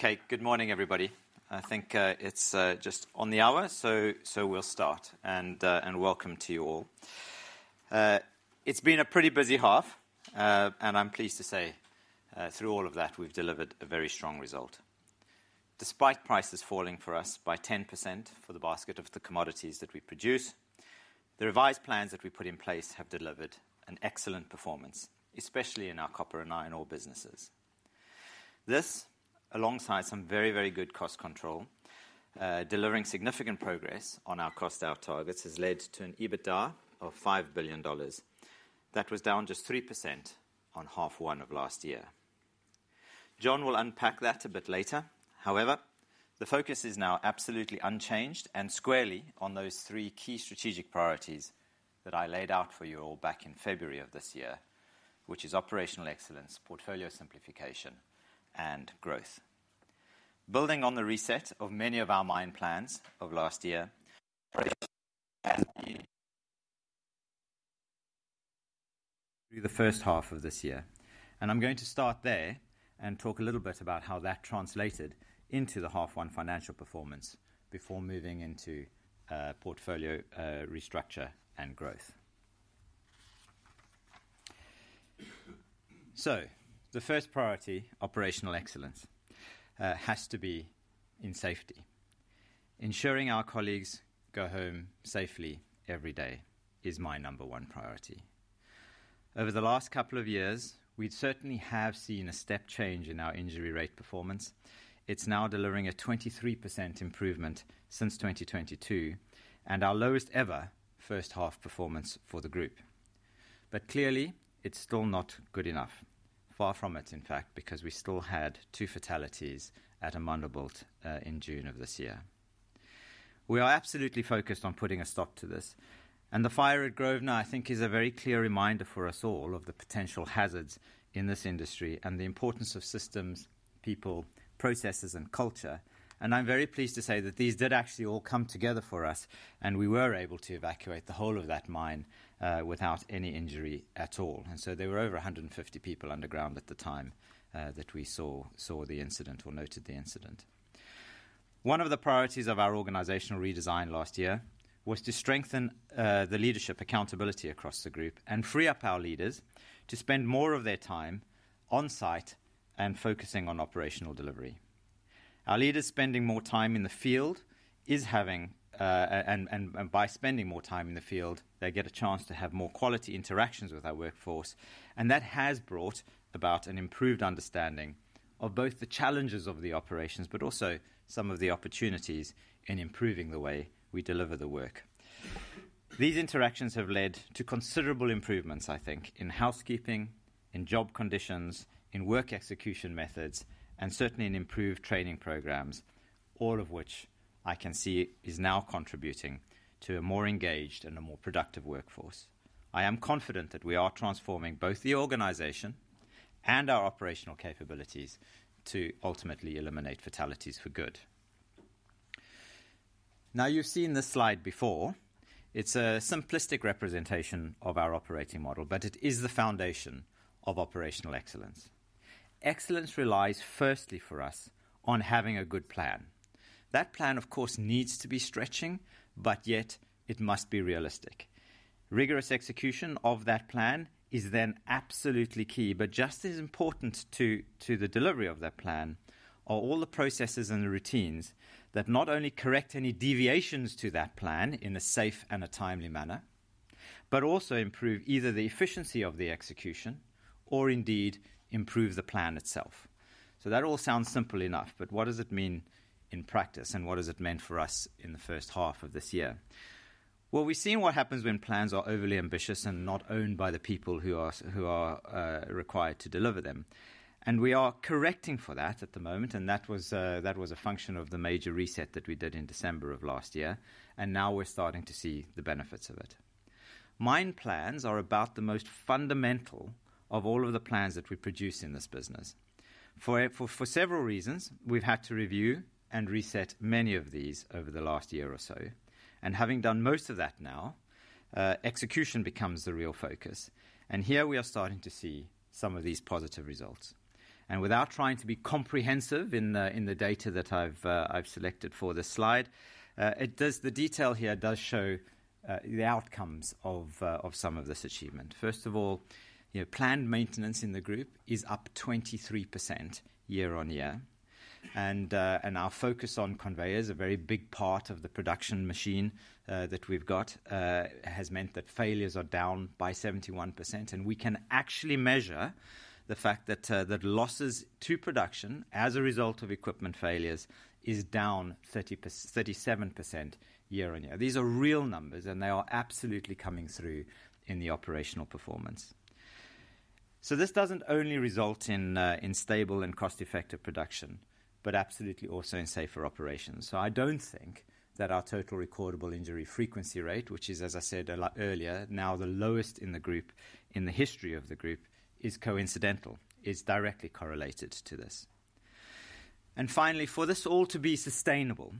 Okay, good morning, everybody. I think it's just on the hour, so we'll start, and welcome to you all. It's been a pretty busy half, and I'm pleased to say, through all of that, we've delivered a very strong result. Despite prices falling for us by 10% for the basket of the commodities that we produce, the revised plans that we put in place have delivered an excellent performance, especially in our copper and iron ore businesses. This, alongside some very, very good cost control, delivering significant progress on our cost out targets, has led to an EBITDA of $5 billion that was down just 3% on half one of last year. John will unpack that a bit later. However, the focus is now absolutely unchanged and squarely on those three key strategic priorities that I laid out for you all back in February of this year, which are operational excellence, portfolio simplification, and growth. Building on the reset of many of our main plans of last year. The first half of this year. I'm going to start there and talk a little bit about how that translated into the half one financial performance before moving into portfolio restructure and growth. The first priority, operational excellence, has to be in safety. Ensuring our colleagues go home safely every day is my number one priority. Over the last couple of years, we'd certainly have seen a step change in our injury rate performance. It's now delivering a 23% improvement since 2022 and our lowest ever first half performance for the group. But clearly, it's still not good enough, far from it, in fact, because we still had two fatalities at Amandelbult in June of this year. We are absolutely focused on putting a stop to this. And the fire at Grosvenor, I think, is a very clear reminder for us all of the potential hazards in this industry and the importance of systems, people, processes, and culture. And I'm very pleased to say that these did actually all come together for us, and we were able to evacuate the whole of that mine without any injury at all. And so there were over 150 people underground at the time that we saw the incident or noted the incident. One of the priorities of our organizational redesign last year was to strengthen the leadership accountability across the group and free up our leaders to spend more of their time on site and focusing on operational delivery. Our leaders spending more time in the field is having, and by spending more time in the field, they get a chance to have more quality interactions with our workforce. That has brought about an improved understanding of both the challenges of the operations, but also some of the opportunities in improving the way we deliver the work. These interactions have led to considerable improvements, I think, in housekeeping, in job conditions, in work execution methods, and certainly in improved training programs, all of which I can see is now contributing to a more engaged and a more productive workforce. I am confident that we are transforming both the organization and our operational capabilities to ultimately eliminate fatalities for good. Now, you've seen this slide before. It's a simplistic representation of our operating model, but it is the foundation of operational excellence. Excellence relies firstly for us on having a good plan. That plan, of course, needs to be stretching, but yet it must be realistic. Rigorous execution of that plan is then absolutely key, but just as important to the delivery of that plan are all the processes and the routines that not only correct any deviations to that plan in a safe and a timely manner, but also improve either the efficiency of the execution or indeed improve the plan itself. So that all sounds simple enough, but what does it mean in practice and what has it meant for us in the first half of this year? Well, we've seen what happens when plans are overly ambitious and not owned by the people who are required to deliver them. We are correcting for that at the moment, and that was a function of the major reset that we did in December of last year. Now we're starting to see the benefits of it. Mine plans are about the most fundamental of all of the plans that we produce in this business. For several reasons, we've had to review and reset many of these over the last year or so. Having done most of that now, execution becomes the real focus. Here we are starting to see some of these positive results. Without trying to be comprehensive in the data that I've selected for this slide, the detail here does show the outcomes of some of this achievement. First of all, planned maintenance in the group is up 23% year-on-year. Our focus on conveyors, a very big part of the production machine that we've got, has meant that failures are down by 71%. We can actually measure the fact that losses to production as a result of equipment failures is down 37% year-on-year. These are real numbers, and they are absolutely coming through in the operational performance. This doesn't only result in stable and cost-effective production, but absolutely also in safer operations. I don't think that our total recordable injury frequency rate, which is, as I said earlier, now the lowest in the group in the history of the group, is coincidental. Is directly correlated to this. Finally, for this all to be sustainable,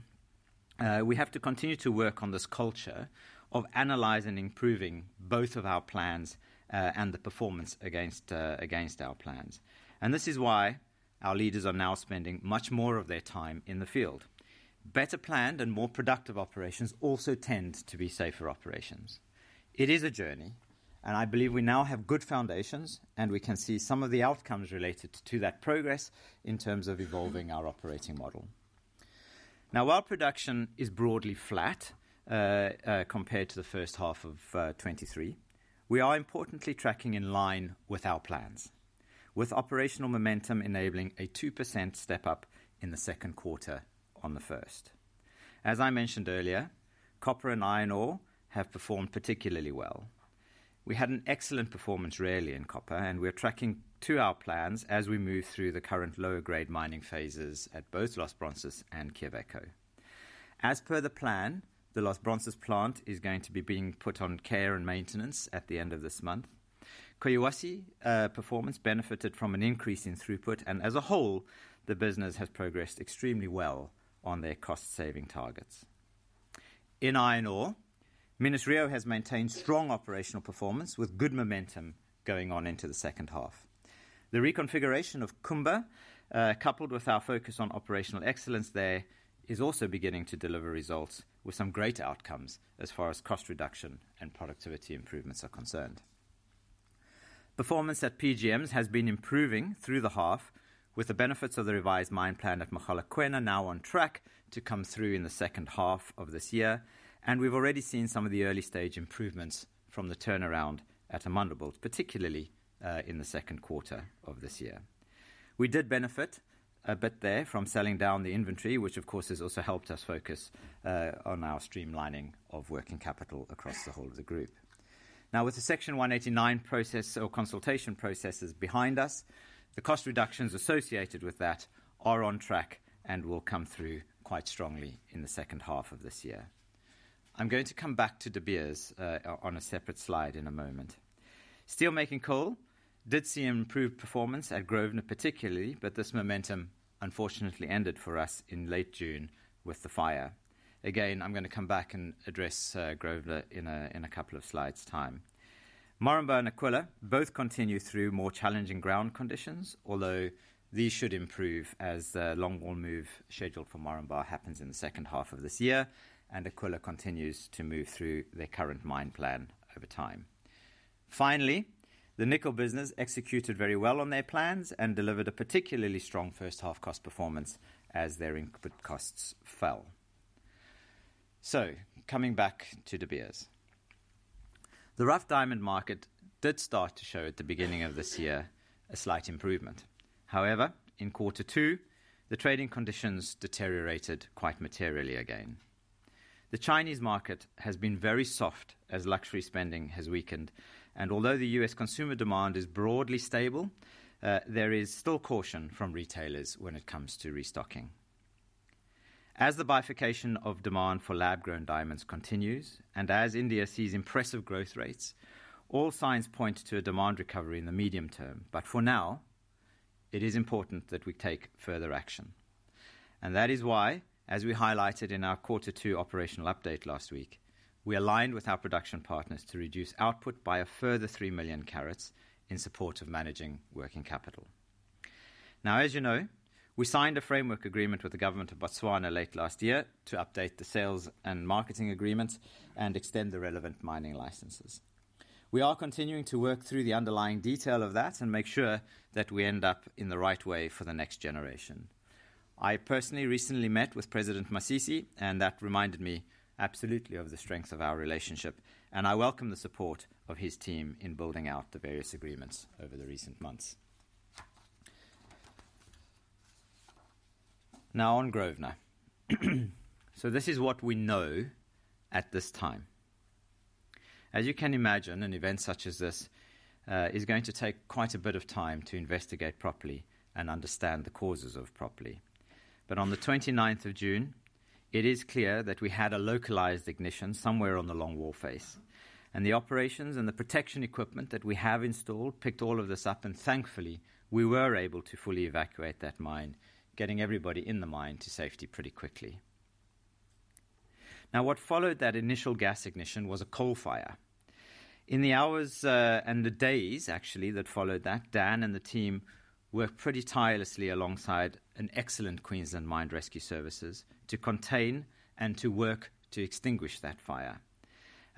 we have to continue to work on this culture of analyzing and improving both of our plans and the performance against our plans. This is why our leaders are now spending much more of their time in the field. Better planned and more productive operations also tend to be safer operations. It is a journey, and I believe we now have good foundations, and we can see some of the outcomes related to that progress in terms of evolving our operating model. Now, while production is broadly flat compared to the first half of 2023, we are importantly tracking in line with our plans, with operational momentum enabling a 2% step up in the second quarter on the first. As I mentioned earlier, copper and iron ore have performed particularly well. We had an excellent performance really in copper, and we are tracking to our plans as we move through the current lower-grade mining phases at both Los Bronces and Quellaveco. As per the plan, the Los Bronces plant is going to be being put on care and maintenance at the end of this month. Collahuasi performance benefited from an increase in throughput, and as a whole, the business has progressed extremely well on their cost-saving targets. In iron ore, Minas-Rio has maintained strong operational performance with good momentum going on into the second half. The reconfiguration of Kumba, coupled with our focus on operational excellence there, is also beginning to deliver results with some great outcomes as far as cost reduction and productivity improvements are concerned. Performance at PGMs has been improving through the half, with the benefits of the revised mine plan at Mogalakwena now on track to come through in the second half of this year. And we've already seen some of the early-stage improvements from the turnaround at Amandelbult, particularly in the second quarter of this year. We did benefit a bit there from selling down the inventory, which, of course, has also helped us focus on our streamlining of working capital across the whole of the group. Now, with the Section 189 process or consultation processes behind us, the cost reductions associated with that are on track and will come through quite strongly in the second half of this year. I'm going to come back to De Beers on a separate slide in a moment. Steelmaking Coal did see improved performance at Grosvenor particularly, but this momentum unfortunately ended for us in late June with the fire. Again, I'm going to come back and address Grosvenor in a couple of slides' time. Moranbah and Aquila both continue through more challenging ground conditions, although these should improve as the longwall move scheduled for Moranbah happens in the second half of this year, and Aquila continues to move through their current mine plan over time. Finally, the nickel business executed very well on their plans and delivered a particularly strong first half cost performance as their input costs fell. Coming back to De Beers. The rough diamond market did start to show at the beginning of this year a slight improvement. However, in quarter two, the trading conditions deteriorated quite materially again. The Chinese market has been very soft as luxury spending has weakened, and although the U.S. consumer demand is broadly stable, there is still caution from retailers when it comes to restocking. As the bifurcation of demand for lab-grown diamonds continues, and as India sees impressive growth rates, all signs point to a demand recovery in the medium term. But for now, it is important that we take further action. And that is why, as we highlighted in our quarter two operational update last week, we aligned with our production partners to reduce output by a further three million carats in support of managing working capital. Now, as you know, we signed a framework agreement with the government of Botswana late last year to update the sales and marketing agreements and extend the relevant mining licenses. We are continuing to work through the underlying detail of that and make sure that we end up in the right way for the next generation. I personally recently met with President Masisi, and that reminded me absolutely of the strength of our relationship, and I welcome the support of his team in building out the various agreements over the recent months. Now, on Grosvenor. So this is what we know at this time. As you can imagine, an event such as this is going to take quite a bit of time to investigate properly and understand the causes of properly. But on the 29th of June, it is clear that we had a localized ignition somewhere on the longwall face. The operations and the protection equipment that we have installed picked all of this up, and thankfully, we were able to fully evacuate that mine, getting everybody in the mine to safety pretty quickly. Now, what followed that initial gas ignition was a coal fire. In the hours and the days, actually, that followed that, Dan and the team worked pretty tirelessly alongside an excellent Queensland Mines Rescue Service to contain and to work to extinguish that fire.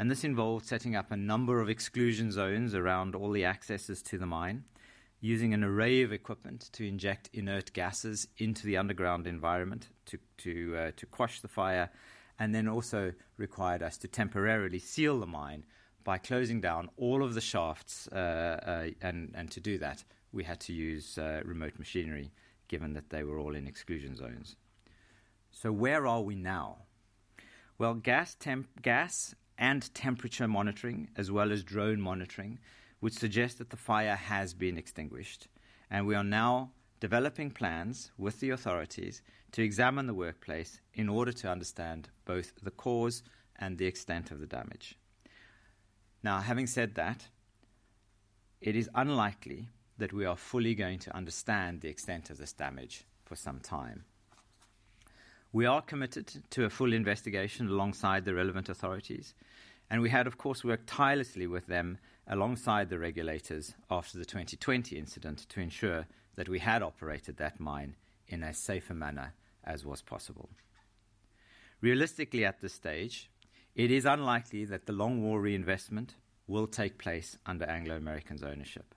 This involved setting up a number of exclusion zones around all the accesses to the mine, using an array of equipment to inject inert gases into the underground environment to quash the fire, and then also required us to temporarily seal the mine by closing down all of the shafts. To do that, we had to use remote machinery, given that they were all in exclusion zones. So where are we now? Well, gas and temperature monitoring, as well as drone monitoring, would suggest that the fire has been extinguished. We are now developing plans with the authorities to examine the workplace in order to understand both the cause and the extent of the damage. Now, having said that, it is unlikely that we are fully going to understand the extent of this damage for some time. We are committed to a full investigation alongside the relevant authorities, and we had, of course, worked tirelessly with them alongside the regulators after the 2020 incident to ensure that we had operated that mine in a safer manner as was possible. Realistically, at this stage, it is unlikely that the longwall reinvestment will take place under Anglo American's ownership.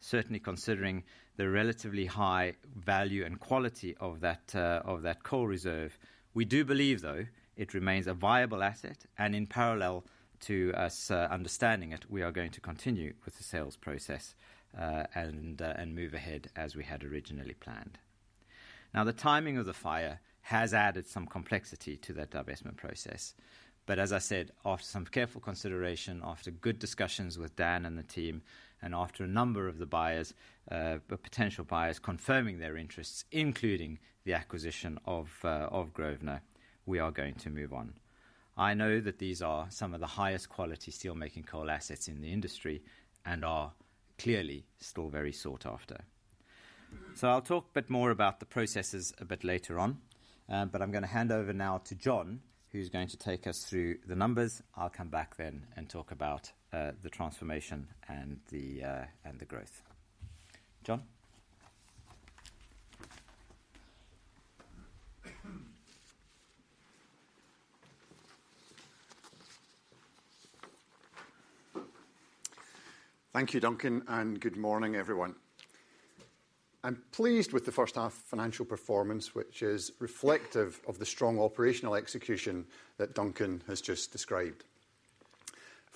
Certainly, considering the relatively high value and quality of that coal reserve, we do believe, though, it remains a viable asset. And in parallel to us understanding it, we are going to continue with the sales process and move ahead as we had originally planned. Now, the timing of the fire has added some complexity to that divestment process. But as I said, after some careful consideration, after good discussions with Dan and the team, and after a number of the buyers, potential buyers confirming their interests, including the acquisition of Grosvenor, we are going to move on. I know that these are some of the highest quality steelmaking coal assets in the industry and are clearly still very sought after. So I'll talk a bit more about the processes a bit later on, but I'm going to hand over now to John, who's going to take us through the numbers. I'll come back then and talk about the transformation and the growth. John. Thank you, Duncan, and good morning, everyone. I'm pleased with the first half financial performance, which is reflective of the strong operational execution that Duncan has just described.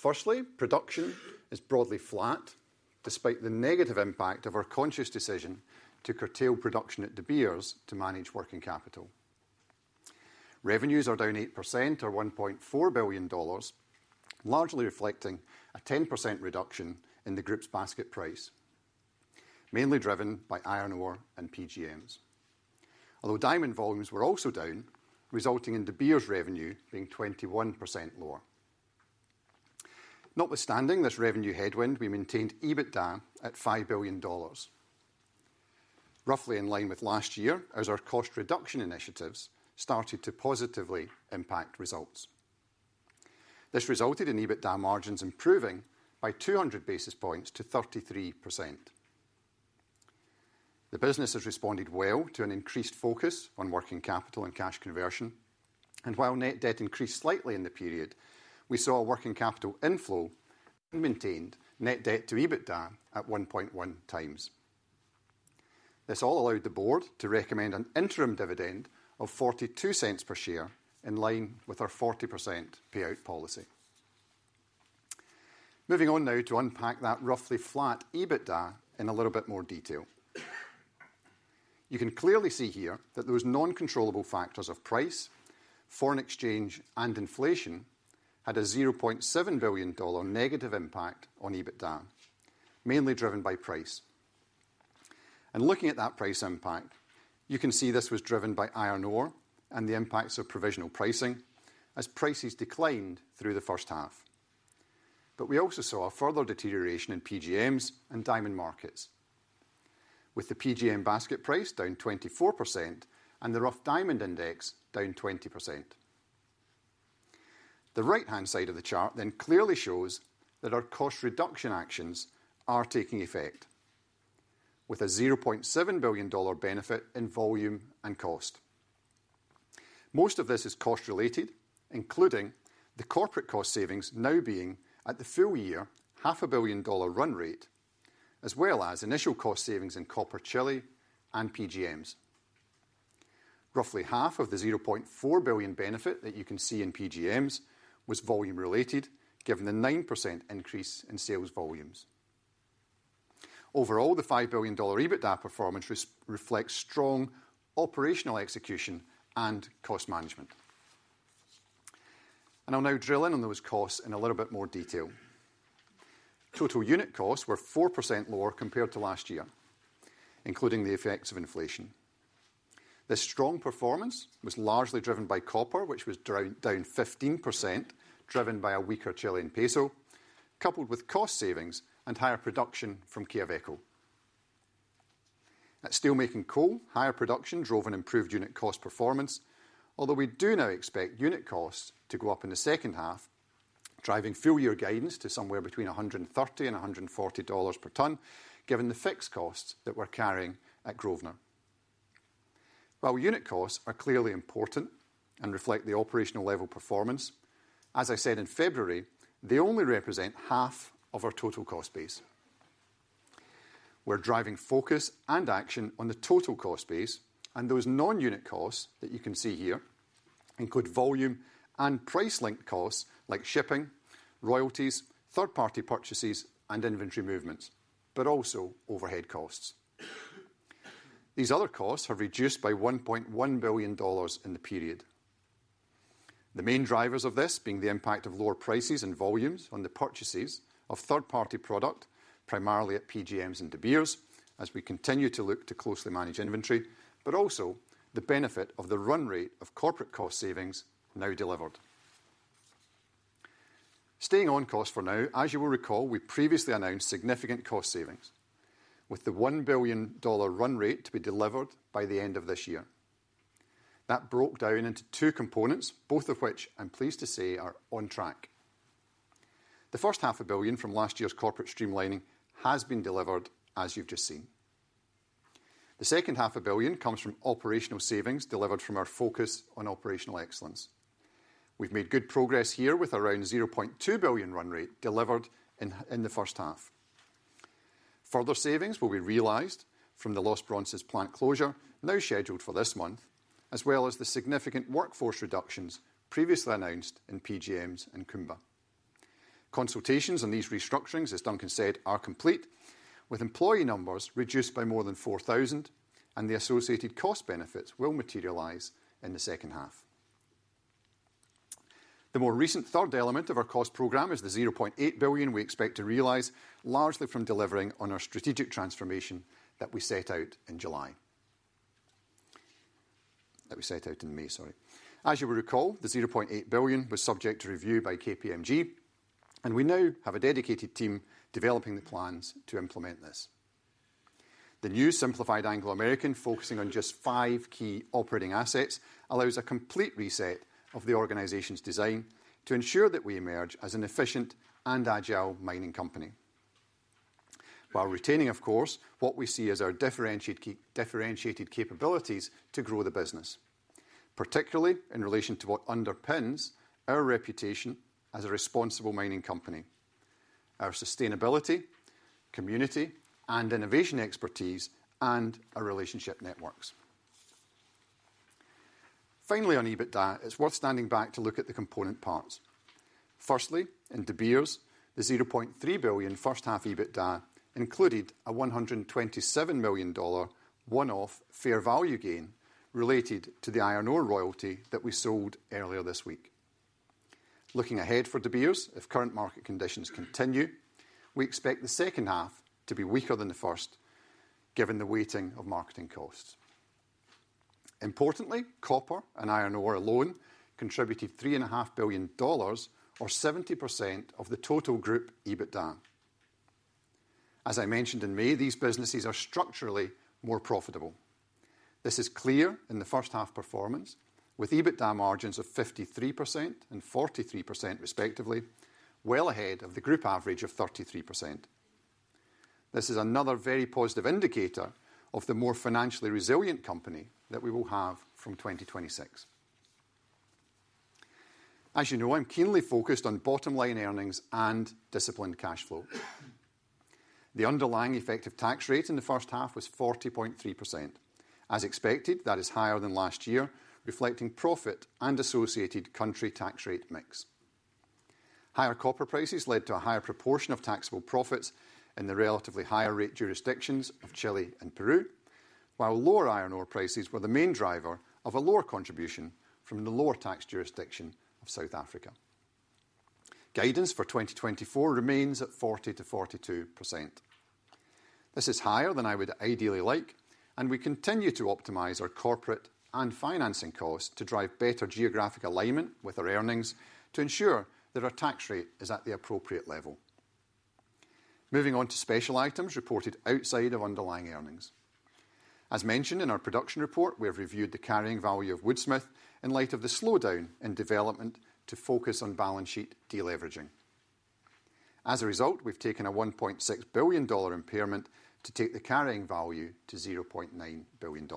Firstly, production is broadly flat despite the negative impact of our conscious decision to curtail production at De Beers to manage working capital. Revenues are down 8% or $1.4 billion, largely reflecting a 10% reduction in the group's basket price, mainly driven by iron ore and PGMs. Although diamond volumes were also down, resulting in De Beers' revenue being 21% lower. Notwithstanding this revenue headwind, we maintained EBITDA at $5 billion, roughly in line with last year as our cost reduction initiatives started to positively impact results. This resulted in EBITDA margins improving by 200 basis points to 33%. The business has responded well to an increased focus on working capital and cash conversion. And while net debt increased slightly in the period, we saw working capital inflow and maintained net debt to EBITDA at 1.1 times. This all allowed the board to recommend an interim dividend of $0.42 per share in line with our 40% payout policy. Moving on now to unpack that roughly flat EBITDA in a little bit more detail. You can clearly see here that those non-controllable factors of price, foreign exchange, and inflation had a $0.7 billion negative impact on EBITDA, mainly driven by price. Looking at that price impact, you can see this was driven by iron ore and the impacts of provisional pricing as prices declined through the first half. We also saw a further deterioration in PGMs and diamond markets, with the PGM basket price down 24% and the rough diamond index down 20%. The right-hand side of the chart clearly shows that our cost reduction actions are taking effect, with a $0.7 billion benefit in volume and cost. Most of this is cost-related, including the corporate cost savings now being at the full year $0.5 billion run rate, as well as initial cost savings in copper, Chile, and PGMs. Roughly half of the $0.4 billion benefit that you can see in PGMs was volume-related, given the 9% increase in sales volumes. Overall, the $5 billion EBITDA performance reflects strong operational execution and cost management. I'll now drill in on those costs in a little bit more detail. Total unit costs were 4% lower compared to last year, including the effects of inflation. This strong performance was largely driven by copper, which was down 15%, driven by a weaker Chilean peso, coupled with cost savings and higher production from Quellaveco. At steelmaking coal, higher production drove an improved unit cost performance, although we do now expect unit costs to go up in the second half, driving full year gains to somewhere between $130 and $140 per ton, given the fixed costs that we're carrying at Grosvenor. While unit costs are clearly important and reflect the operational level performance, as I said in February, they only represent half of our total cost base. We're driving focus and action on the total cost base and those non-unit costs that you can see here, including volume and price-linked costs like shipping, royalties, third-party purchases, and inventory movements, but also overhead costs. These other costs have reduced by $1.1 billion in the period. The main drivers of this being the impact of lower prices and volumes on the purchases of third-party product, primarily at PGMs and De Beers, as we continue to look to closely manage inventory, but also the benefit of the run rate of corporate cost savings now delivered. Staying on costs for now, as you will recall, we previously announced significant cost savings, with the $1 billion run rate to be delivered by the end of this year. That broke down into two components, both of which I'm pleased to say are on track. The first $0.5 billion from last year's corporate streamlining has been delivered, as you've just seen. The second $0.5 billion comes from operational savings delivered from our focus on operational excellence. We've made good progress here with around $0.2 billion run rate delivered in the first half. Further savings will be realized from the Los Bronces plant closure now scheduled for this month, as well as the significant workforce reductions previously announced in PGMs and Kumba. Consultations on these restructurings, as Duncan said, are complete, with employee numbers reduced by more than 4,000, and the associated cost benefits will materialize in the second half. The more recent third element of our cost program is the $0.8 billion we expect to realize, largely from delivering on our strategic transformation that we set out in July. That we set out in May, sorry. As you will recall, the $0.8 billion was subject to review by KPMG, and we now have a dedicated team developing the plans to implement this. The new simplified Anglo American, focusing on just five key operating assets, allows a complete reset of the organization's design to ensure that we emerge as an efficient and agile mining company. While retaining, of course, what we see as our differentiated capabilities to grow the business, particularly in relation to what underpins our reputation as a responsible mining company, our sustainability, community, and innovation expertise, and our relationship networks. Finally, on EBITDA, it's worth standing back to look at the component parts. Firstly, in De Beers, the $0.3 billion first half EBITDA included a $127 million one-off fair value gain related to the iron ore royalty that we sold earlier this week. Looking ahead for De Beers, if current market conditions continue, we expect the second half to be weaker than the first, given the weighting of marketing costs. Importantly, copper and iron ore alone contributed $3.5 billion, or 70% of the total group EBITDA. As I mentioned in May, these businesses are structurally more profitable. This is clear in the first half performance, with EBITDA margins of 53% and 43%, respectively, well ahead of the group average of 33%. This is another very positive indicator of the more financially resilient company that we will have from 2026. As you know, I'm keenly focused on bottom line earnings and disciplined cash flow. The underlying effective tax rate in the first half was 40.3%. As expected, that is higher than last year, reflecting profit and associated country tax rate mix. Higher copper prices led to a higher proportion of taxable profits in the relatively higher rate jurisdictions of Chile and Peru, while lower iron ore prices were the main driver of a lower contribution from the lower tax jurisdiction of South Africa. Guidance for 2024 remains at 40%-42%. This is higher than I would ideally like, and we continue to optimize our corporate and financing costs to drive better geographic alignment with our earnings to ensure that our tax rate is at the appropriate level. Moving on to special items reported outside of underlying earnings. As mentioned in our production report, we have reviewed the carrying value of Woodsmith in light of the slowdown in development to focus on balance sheet deleveraging. As a result, we've taken a $1.6 billion impairment to take the carrying value to $0.9 billion.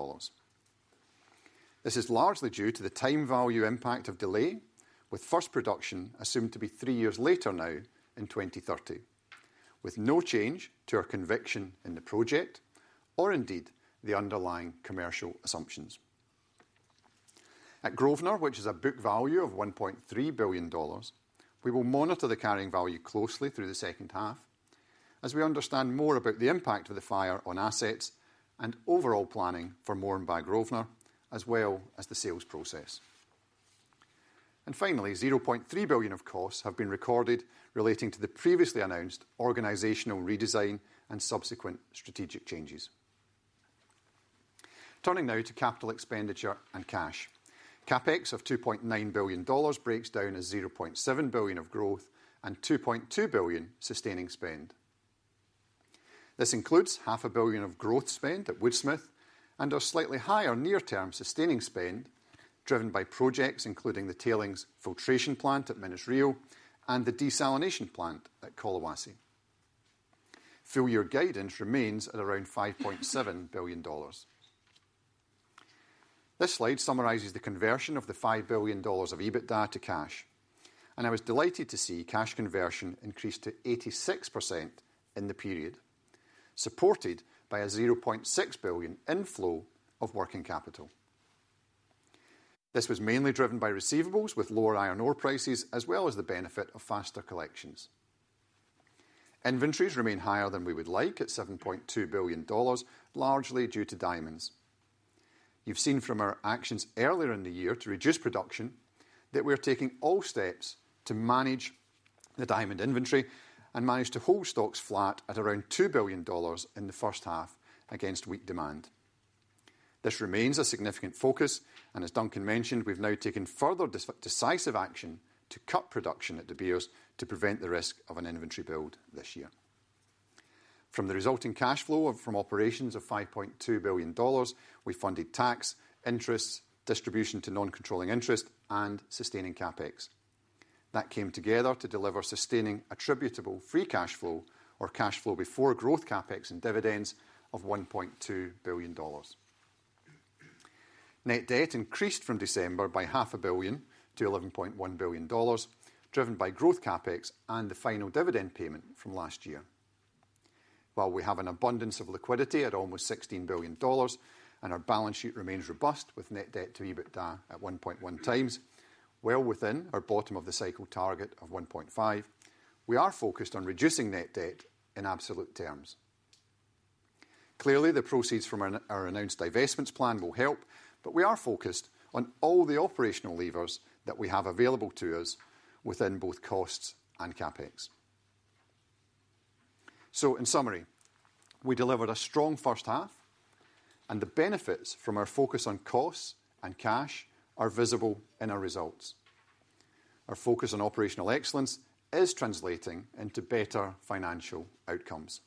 This is largely due to the time value impact of delay, with first production assumed to be three years later now in 2030, with no change to our conviction in the project or indeed the underlying commercial assumptions. At Grosvenor, which is a book value of $1.3 billion, we will monitor the carrying value closely through the second half as we understand more about the impact of the fire on assets and overall planning for Moranbah Grosvenor, as well as the sales process. Finally, $0.3 billion of costs have been recorded relating to the previously announced organizational redesign and subsequent strategic changes. Turning now to capital expenditure and cash. CapEx of $2.9 billion breaks down as $0.7 billion of growth and $2.2 billion sustaining spend. This includes $0.5 billion of growth spend at Woodsmith and our slightly higher near-term sustaining spend driven by projects including the Tailings Filtration Plant at Minas-Rio and the Desalination Plant at Collahuasi. Full year guidance remains at around $5.7 billion. This slide summarizes the conversion of the $5 billion of EBITDA to cash, and I was delighted to see cash conversion increased to 86% in the period, supported by a $0.6 billion inflow of working capital. This was mainly driven by receivables with lower iron ore prices, as well as the benefit of faster collections. Inventories remain higher than we would like at $7.2 billion, largely due to diamonds. You've seen from our actions earlier in the year to reduce production that we are taking all steps to manage the diamond inventory and manage to hold stocks flat at around $2 billion in the first half against weak demand. This remains a significant focus, and as Duncan mentioned, we've now taken further decisive action to cut production at De Beers to prevent the risk of an inventory build this year. From the resulting cash flow from operations of $5.2 billion, we funded tax, interest, distribution to non-controlling interest, and sustaining CapEx. That came together to deliver sustaining attributable free cash flow, or cash flow before growth CapEx and dividends of $1.2 billion. Net debt increased from December by $0.5 billion to $11.1 billion, driven by growth CapEx and the final dividend payment from last year. While we have an abundance of liquidity at almost $16 billion and our balance sheet remains robust with net debt to EBITDA at 1.1 times, well within our bottom of the cycle target of 1.5, we are focused on reducing net debt in absolute terms. Clearly, the proceeds from our announced divestments plan will help, but we are focused on all the operational levers that we have available to us within both costs and CapEx. So, in summary, we delivered a strong first half, and the benefits from our focus on costs and cash are visible in our results. Our focus on operational excellence is translating into better financial outcomes.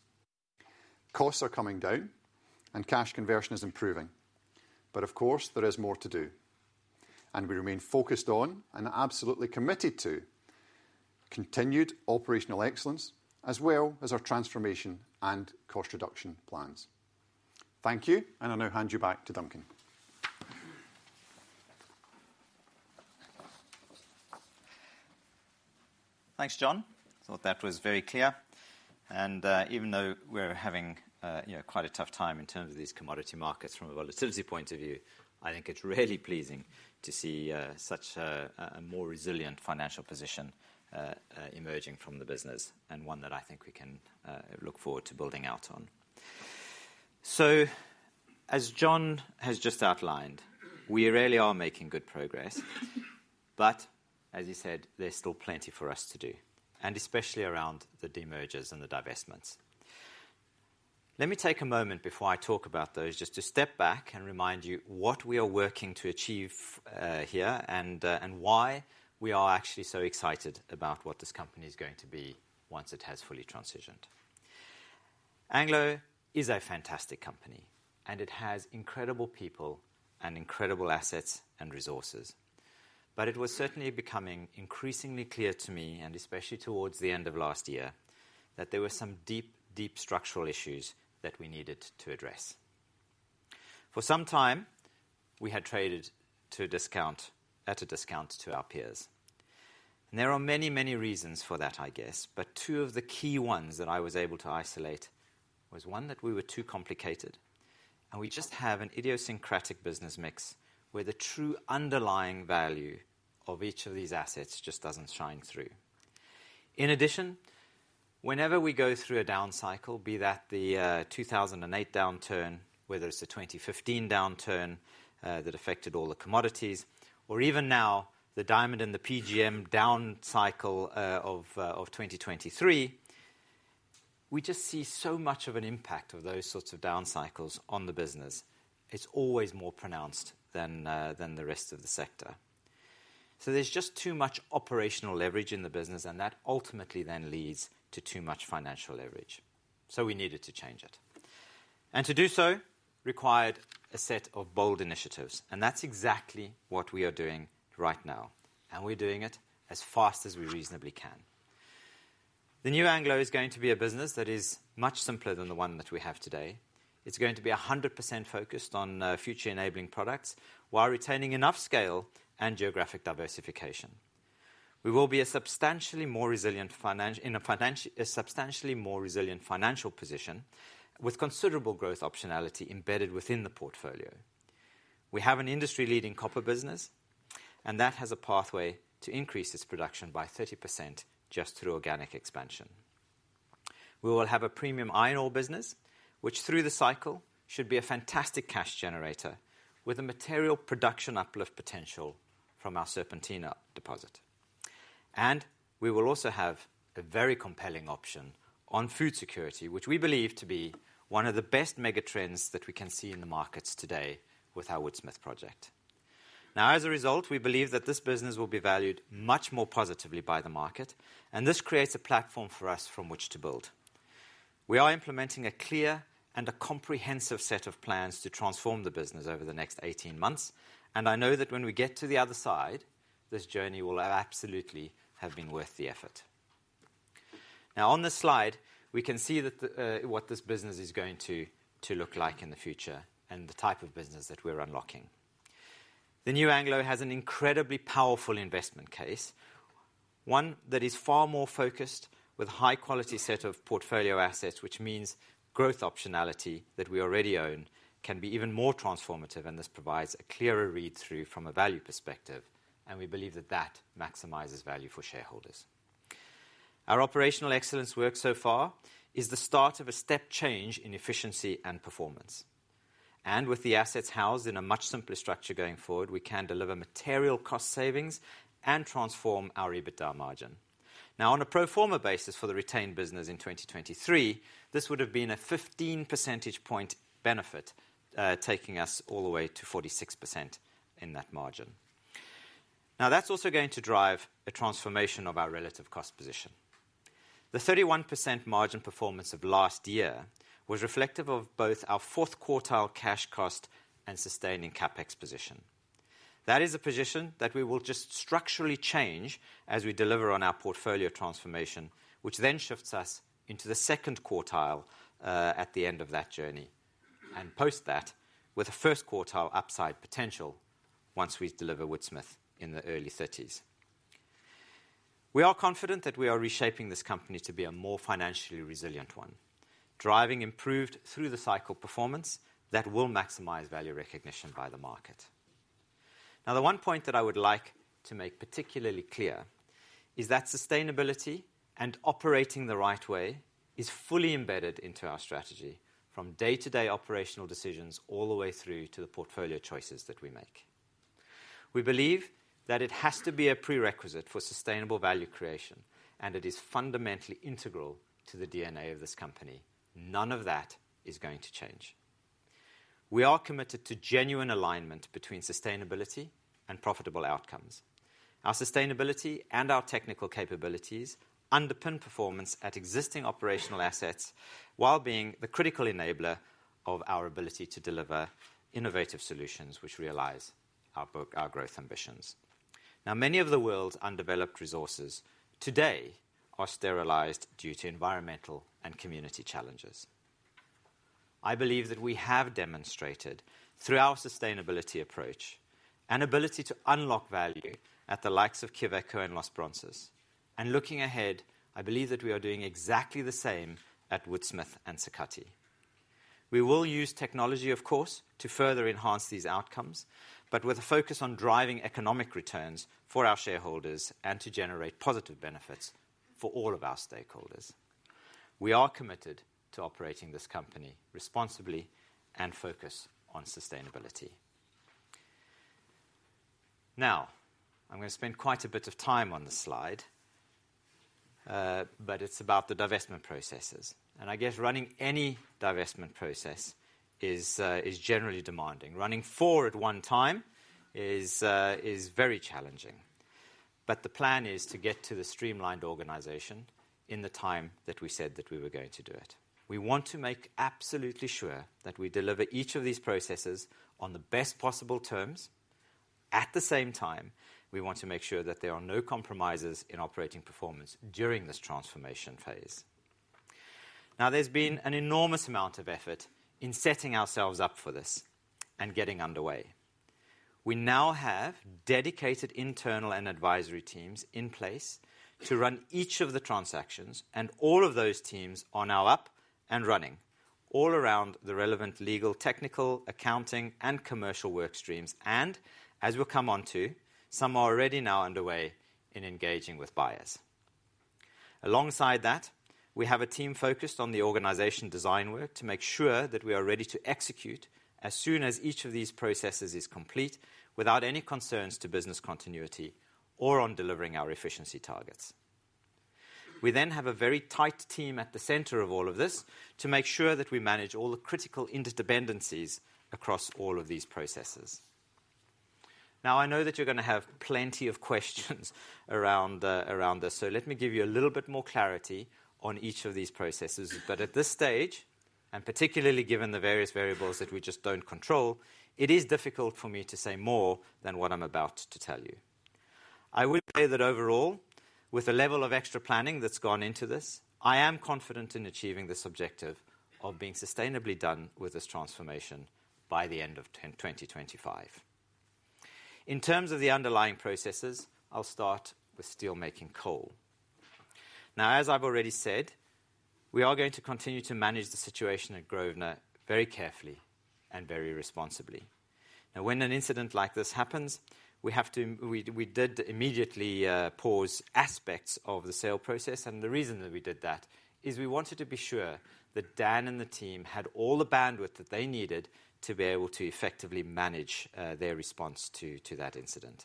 Costs are coming down, and cash conversion is improving. But of course, there is more to do, and we remain focused on and absolutely committed to continued operational excellence, as well as our transformation and cost reduction plans. Thank you, and I'll now hand you back to Duncan. Thanks, John. I thought that was very clear. Even though we're having quite a tough time in terms of these commodity markets from a volatility point of view, I think it's really pleasing to see such a more resilient financial position emerging from the business and one that I think we can look forward to building out on. As John has just outlined, we really are making good progress, but as you said, there's still plenty for us to do, and especially around the demergers and the divestments. Let me take a moment before I talk about those, just to step back and remind you what we are working to achieve here and why we are actually so excited about what this company is going to be once it has fully transitioned. Anglo is a fantastic company, and it has incredible people and incredible assets and resources. But it was certainly becoming increasingly clear to me, and especially towards the end of last year, that there were some deep, deep structural issues that we needed to address. For some time, we had traded at a discount to our peers. And there are many, many reasons for that, I guess, but two of the key ones that I was able to isolate was one that we were too complicated, and we just have an idiosyncratic business mix where the true underlying value of each of these assets just doesn't shine through. In addition, whenever we go through a down cycle, be that the 2008 downturn, whether it's the 2015 downturn that affected all the commodities, or even now the diamond and the PGM down cycle of 2023, we just see so much of an impact of those sorts of down cycles on the business. It's always more pronounced than the rest of the sector. So there's just too much operational leverage in the business, and that ultimately then leads to too much financial leverage. So we needed to change it. And to do so required a set of bold initiatives, and that's exactly what we are doing right now, and we're doing it as fast as we reasonably can. The new Anglo is going to be a business that is much simpler than the one that we have today. It's going to be 100% focused on future enabling products while retaining enough scale and geographic diversification. We will be a substantially more resilient financial position with considerable growth optionality embedded within the portfolio. We have an industry-leading copper business, and that has a pathway to increase its production by 30% just through organic expansion. We will have a premium iron ore business, which through the cycle should be a fantastic cash generator with a material production uplift potential from our Serpentina deposit. And we will also have a very compelling option on food security, which we believe to be one of the best mega trends that we can see in the markets today with our Woodsmith project. Now, as a result, we believe that this business will be valued much more positively by the market, and this creates a platform for us from which to build. We are implementing a clear and a comprehensive set of plans to transform the business over the next 18 months, and I know that when we get to the other side, this journey will absolutely have been worth the effort. Now, on this slide, we can see what this business is going to look like in the future and the type of business that we're unlocking. The new Anglo has an incredibly powerful investment case, one that is far more focused with a high-quality set of portfolio assets, which means growth optionality that we already own can be even more transformative, and this provides a clearer read-through from a value perspective, and we believe that that maximizes value for shareholders. Our operational excellence work so far is the start of a step change in efficiency and performance. With the assets housed in a much simpler structure going forward, we can deliver material cost savings and transform our EBITDA margin. Now, on a pro forma basis for the retained business in 2023, this would have been a 15 percentage point benefit, taking us all the way to 46% in that margin. Now, that's also going to drive a transformation of our relative cost position. The 31% margin performance of last year was reflective of both our fourth quartile cash cost and sustaining CapEx position. That is a position that we will just structurally change as we deliver on our portfolio transformation, which then shifts us into the second quartile at the end of that journey and post that with a first quartile upside potential once we deliver Woodsmith in the early 30s. We are confident that we are reshaping this company to be a more financially resilient one, driving improved through the cycle performance that will maximize value recognition by the market. Now, the one point that I would like to make particularly clear is that sustainability and operating the right way is fully embedded into our strategy from day-to-day operational decisions all the way through to the portfolio choices that we make. We believe that it has to be a prerequisite for sustainable value creation, and it is fundamentally integral to the DNA of this company. None of that is going to change. We are committed to genuine alignment between sustainability and profitable outcomes. Our sustainability and our technical capabilities underpin performance at existing operational assets while being the critical enabler of our ability to deliver innovative solutions which realize our growth ambitions. Now, many of the world's undeveloped resources today are sterilized due to environmental and community challenges. I believe that we have demonstrated through our sustainability approach an ability to unlock value at the likes of Quellaveco and Los Bronces, and looking ahead, I believe that we are doing exactly the same at Woodsmith and Sakatti. We will use technology, of course, to further enhance these outcomes, but with a focus on driving economic returns for our shareholders and to generate positive benefits for all of our stakeholders. We are committed to operating this company responsibly and focus on sustainability. Now, I'm going to spend quite a bit of time on this slide, but it's about the divestment processes. I guess running any divestment process is generally demanding. Running four at one time is very challenging. But the plan is to get to the streamlined organization in the time that we said that we were going to do it. We want to make absolutely sure that we deliver each of these processes on the best possible terms. At the same time, we want to make sure that there are no compromises in operating performance during this transformation phase. Now, there's been an enormous amount of effort in setting ourselves up for this and getting underway. We now have dedicated internal and advisory teams in place to run each of the transactions, and all of those teams are now up and running all around the relevant legal, technical, accounting, and commercial work streams. as we'll come on to, some are already now underway in engaging with buyers. Alongside that, we have a team focused on the organization design work to make sure that we are ready to execute as soon as each of these processes is complete without any concerns to business continuity or on delivering our efficiency targets. We then have a very tight team at the center of all of this to make sure that we manage all the critical interdependencies across all of these processes. Now, I know that you're going to have plenty of questions around this, so let me give you a little bit more clarity on each of these processes. But at this stage, and particularly given the various variables that we just don't control, it is difficult for me to say more than what I'm about to tell you. I would say that overall, with the level of extra planning that's gone into this, I am confident in achieving this objective of being sustainably done with this transformation by the end of 2025. In terms of the underlying processes, I'll start with steelmaking coal. Now, as I've already said, we are going to continue to manage the situation at Grosvenor very carefully and very responsibly. Now, when an incident like this happens, we did immediately pause aspects of the sale process, and the reason that we did that is we wanted to be sure that Dan and the team had all the bandwidth that they needed to be able to effectively manage their response to that incident.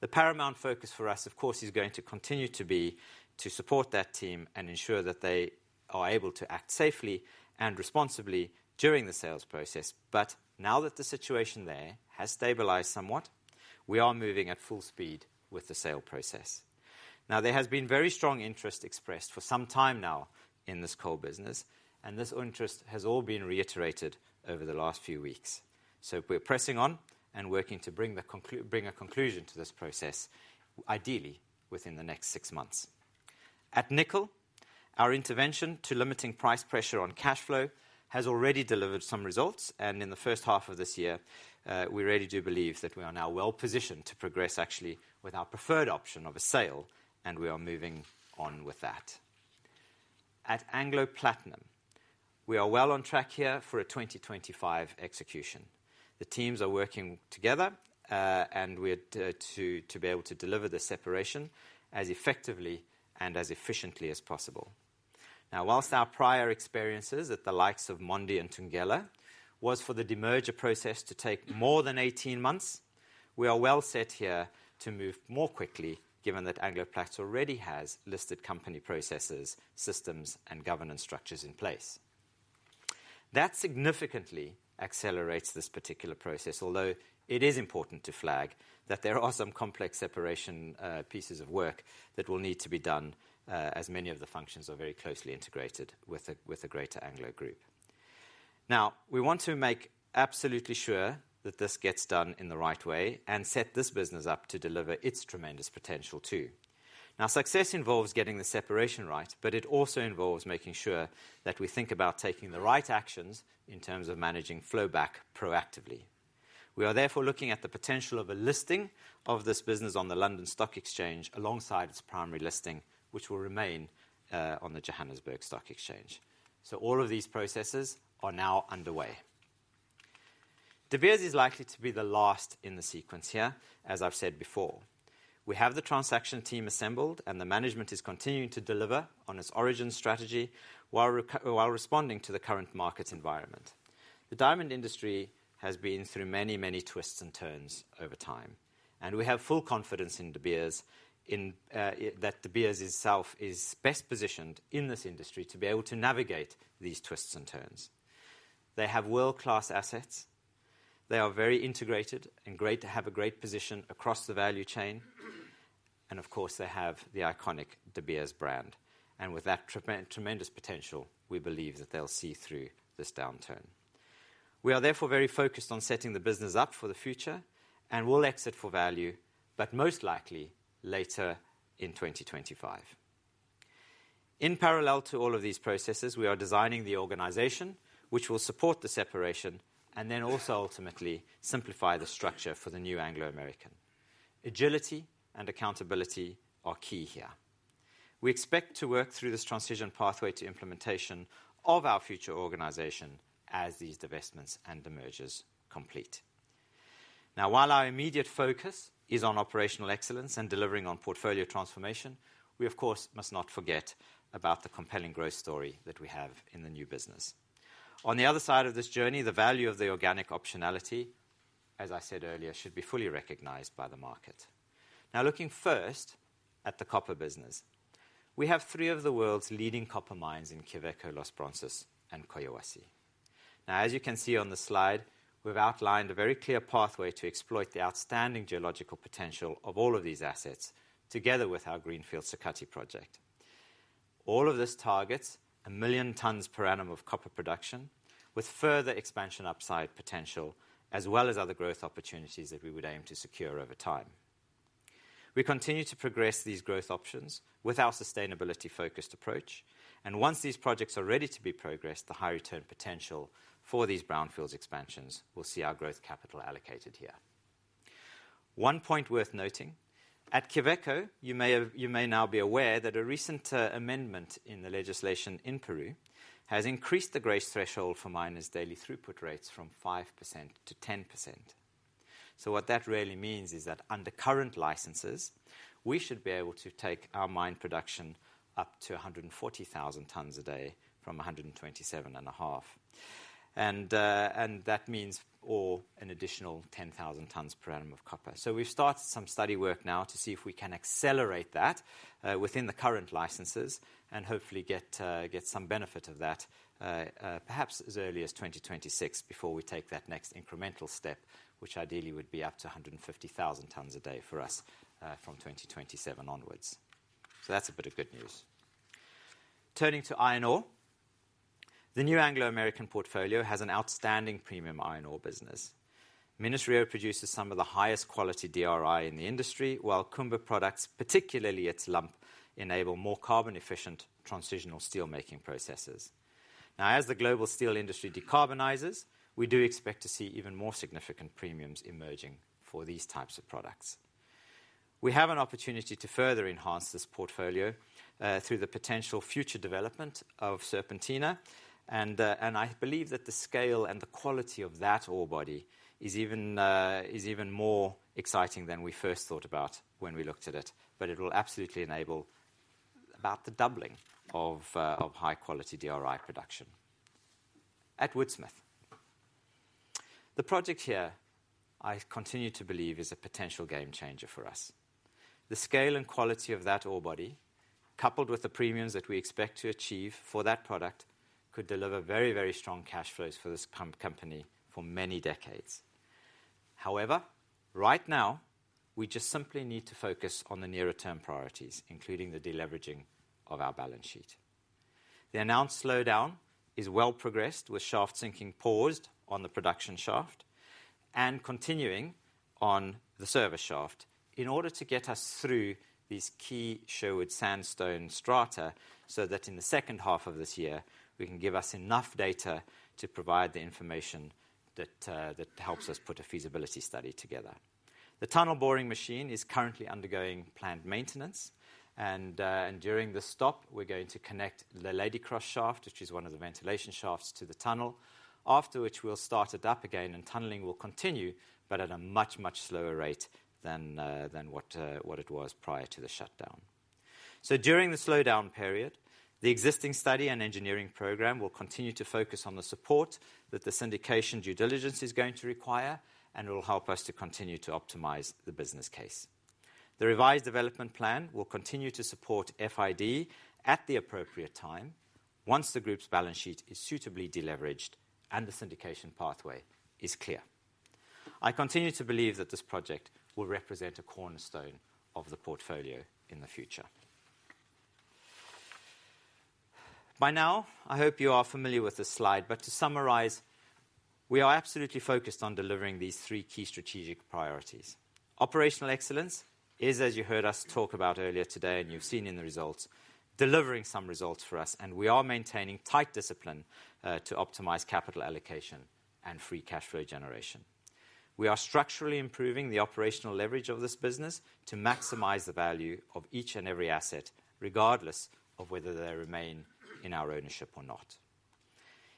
The paramount focus for us, of course, is going to continue to be to support that team and ensure that they are able to act safely and responsibly during the sales process. But now that the situation there has stabilized somewhat, we are moving at full speed with the sale process. Now, there has been very strong interest expressed for some time now in this coal business, and this interest has all been reiterated over the last few weeks. So we're pressing on and working to bring a conclusion to this process, ideally within the next six months. At Nickel, our intervention to limiting price pressure on cash flow has already delivered some results, and in the first half of this year, we really do believe that we are now well positioned to progress actually with our preferred option of a sale, and we are moving on with that. At Anglo Platinum, we are well on track here for a 2025 execution. The teams are working together, and we are to be able to deliver the separation as effectively and as efficiently as possible. Now, while our prior experiences at the likes of Mondi and Thungela was for the demerger process to take more than 18 months, we are well set here to move more quickly given that Anglo Platinum already has listed company processes, systems, and governance structures in place. That significantly accelerates this particular process, although it is important to flag that there are some complex separation pieces of work that will need to be done as many of the functions are very closely integrated with a greater Anglo group. Now, we want to make absolutely sure that this gets done in the right way and set this business up to deliver its tremendous potential too. Now, success involves getting the separation right, but it also involves making sure that we think about taking the right actions in terms of managing flow back proactively. We are therefore looking at the potential of a listing of this business on the London Stock Exchange alongside its primary listing, which will remain on the Johannesburg Stock Exchange. So all of these processes are now underway. De Beers is likely to be the last in the sequence here, as I've said before. We have the transaction team assembled, and the management is continuing to deliver on its origin strategy while responding to the current market environment. The diamond industry has been through many, many twists and turns over time, and we have full confidence in De Beers that De Beers itself is best positioned in this industry to be able to navigate these twists and turns. They have world-class assets. They are very integrated and have a great position across the value chain. Of course, they have the iconic De Beers brand. With that tremendous potential, we believe that they'll see through this downturn. We are therefore very focused on setting the business up for the future and will exit for value, but most likely later in 2025. In parallel to all of these processes, we are designing the organization which will support the separation and then also ultimately simplify the structure for the new Anglo American. Agility and accountability are key here. We expect to work through this transition pathway to implementation of our future organization as these divestments and demergers complete. Now, while our immediate focus is on operational excellence and delivering on portfolio transformation, we, of course, must not forget about the compelling growth story that we have in the new business. On the other side of this journey, the value of the organic optionality, as I said earlier, should be fully recognized by the market. Now, looking first at the copper business, we have three of the world's leading copper mines in Quellaveco, Los Bronces, and Collahuasi. Now, as you can see on the slide, we've outlined a very clear pathway to exploit the outstanding geological potential of all of these assets together with our Greenfield Sakatti project. All of this targets 1 million tons per annum of copper production with further expansion upside potential, as well as other growth opportunities that we would aim to secure over time. We continue to progress these growth options with our sustainability-focused approach. Once these projects are ready to be progressed, the high return potential for these brownfields expansions, we'll see our growth capital allocated here. One point worth noting, at Quellaveco, you may now be aware that a recent amendment in the legislation in Peru has increased the grace threshold for miners' daily throughput rates from 5%-10%. So what that really means is that under current licenses, we should be able to take our mine production up to 140,000 tons a day from 127.5. And that means an additional 10,000 tons per annum of copper. So we've started some study work now to see if we can accelerate that within the current licenses and hopefully get some benefit of that perhaps as early as 2026 before we take that next incremental step, which ideally would be up to 150,000 tons a day for us from 2027 onwards. So that's a bit of good news. Turning to iron ore, the new Anglo American portfolio has an outstanding premium iron ore business. Minas-Rio produces some of the highest quality DRI in the industry, while Kumba products, particularly its lump, enable more carbon-efficient transitional steelmaking processes. Now, as the global steel industry decarbonizes, we do expect to see even more significant premiums emerging for these types of products. We have an opportunity to further enhance this portfolio through the potential future development of Serpentina. I believe that the scale and the quality of that ore body is even more exciting than we first thought about when we looked at it. It will absolutely enable about the doubling of high-quality DRI production. At Woodsmith, the project here, I continue to believe, is a potential game changer for us. The scale and quality of that ore body, coupled with the premiums that we expect to achieve for that product, could deliver very, very strong cash flows for this company for many decades. However, right now, we just simply need to focus on the nearer-term priorities, including the deleveraging of our balance sheet. The announced slowdown is well progressed with shaft sinking paused on the production shaft and continuing on the service shaft in order to get us through these key Sherwood Sandstone strata, so that in the second half of this year, we can give us enough data to provide the information that helps us put a feasibility study together. The tunnel boring machine is currently undergoing planned maintenance. During the stop, we're going to connect the Ladycross shaft, which is one of the ventilation shafts, to the tunnel, after which we'll start it up again and tunneling will continue, but at a much, much slower rate than what it was prior to the shutdown. So during the slowdown period, the existing study and engineering program will continue to focus on the support that the syndication due diligence is going to require, and it will help us to continue to optimize the business case. The revised development plan will continue to support FID at the appropriate time once the group's balance sheet is suitably deleveraged and the syndication pathway is clear. I continue to believe that this project will represent a cornerstone of the portfolio in the future. By now, I hope you are familiar with this slide. But to summarize, we are absolutely focused on delivering these three key strategic priorities. Operational excellence is, as you heard us talk about earlier today and you've seen in the results, delivering some results for us. And we are maintaining tight discipline to optimize capital allocation and free cash flow generation. We are structurally improving the operational leverage of this business to maximize the value of each and every asset, regardless of whether they remain in our ownership or not.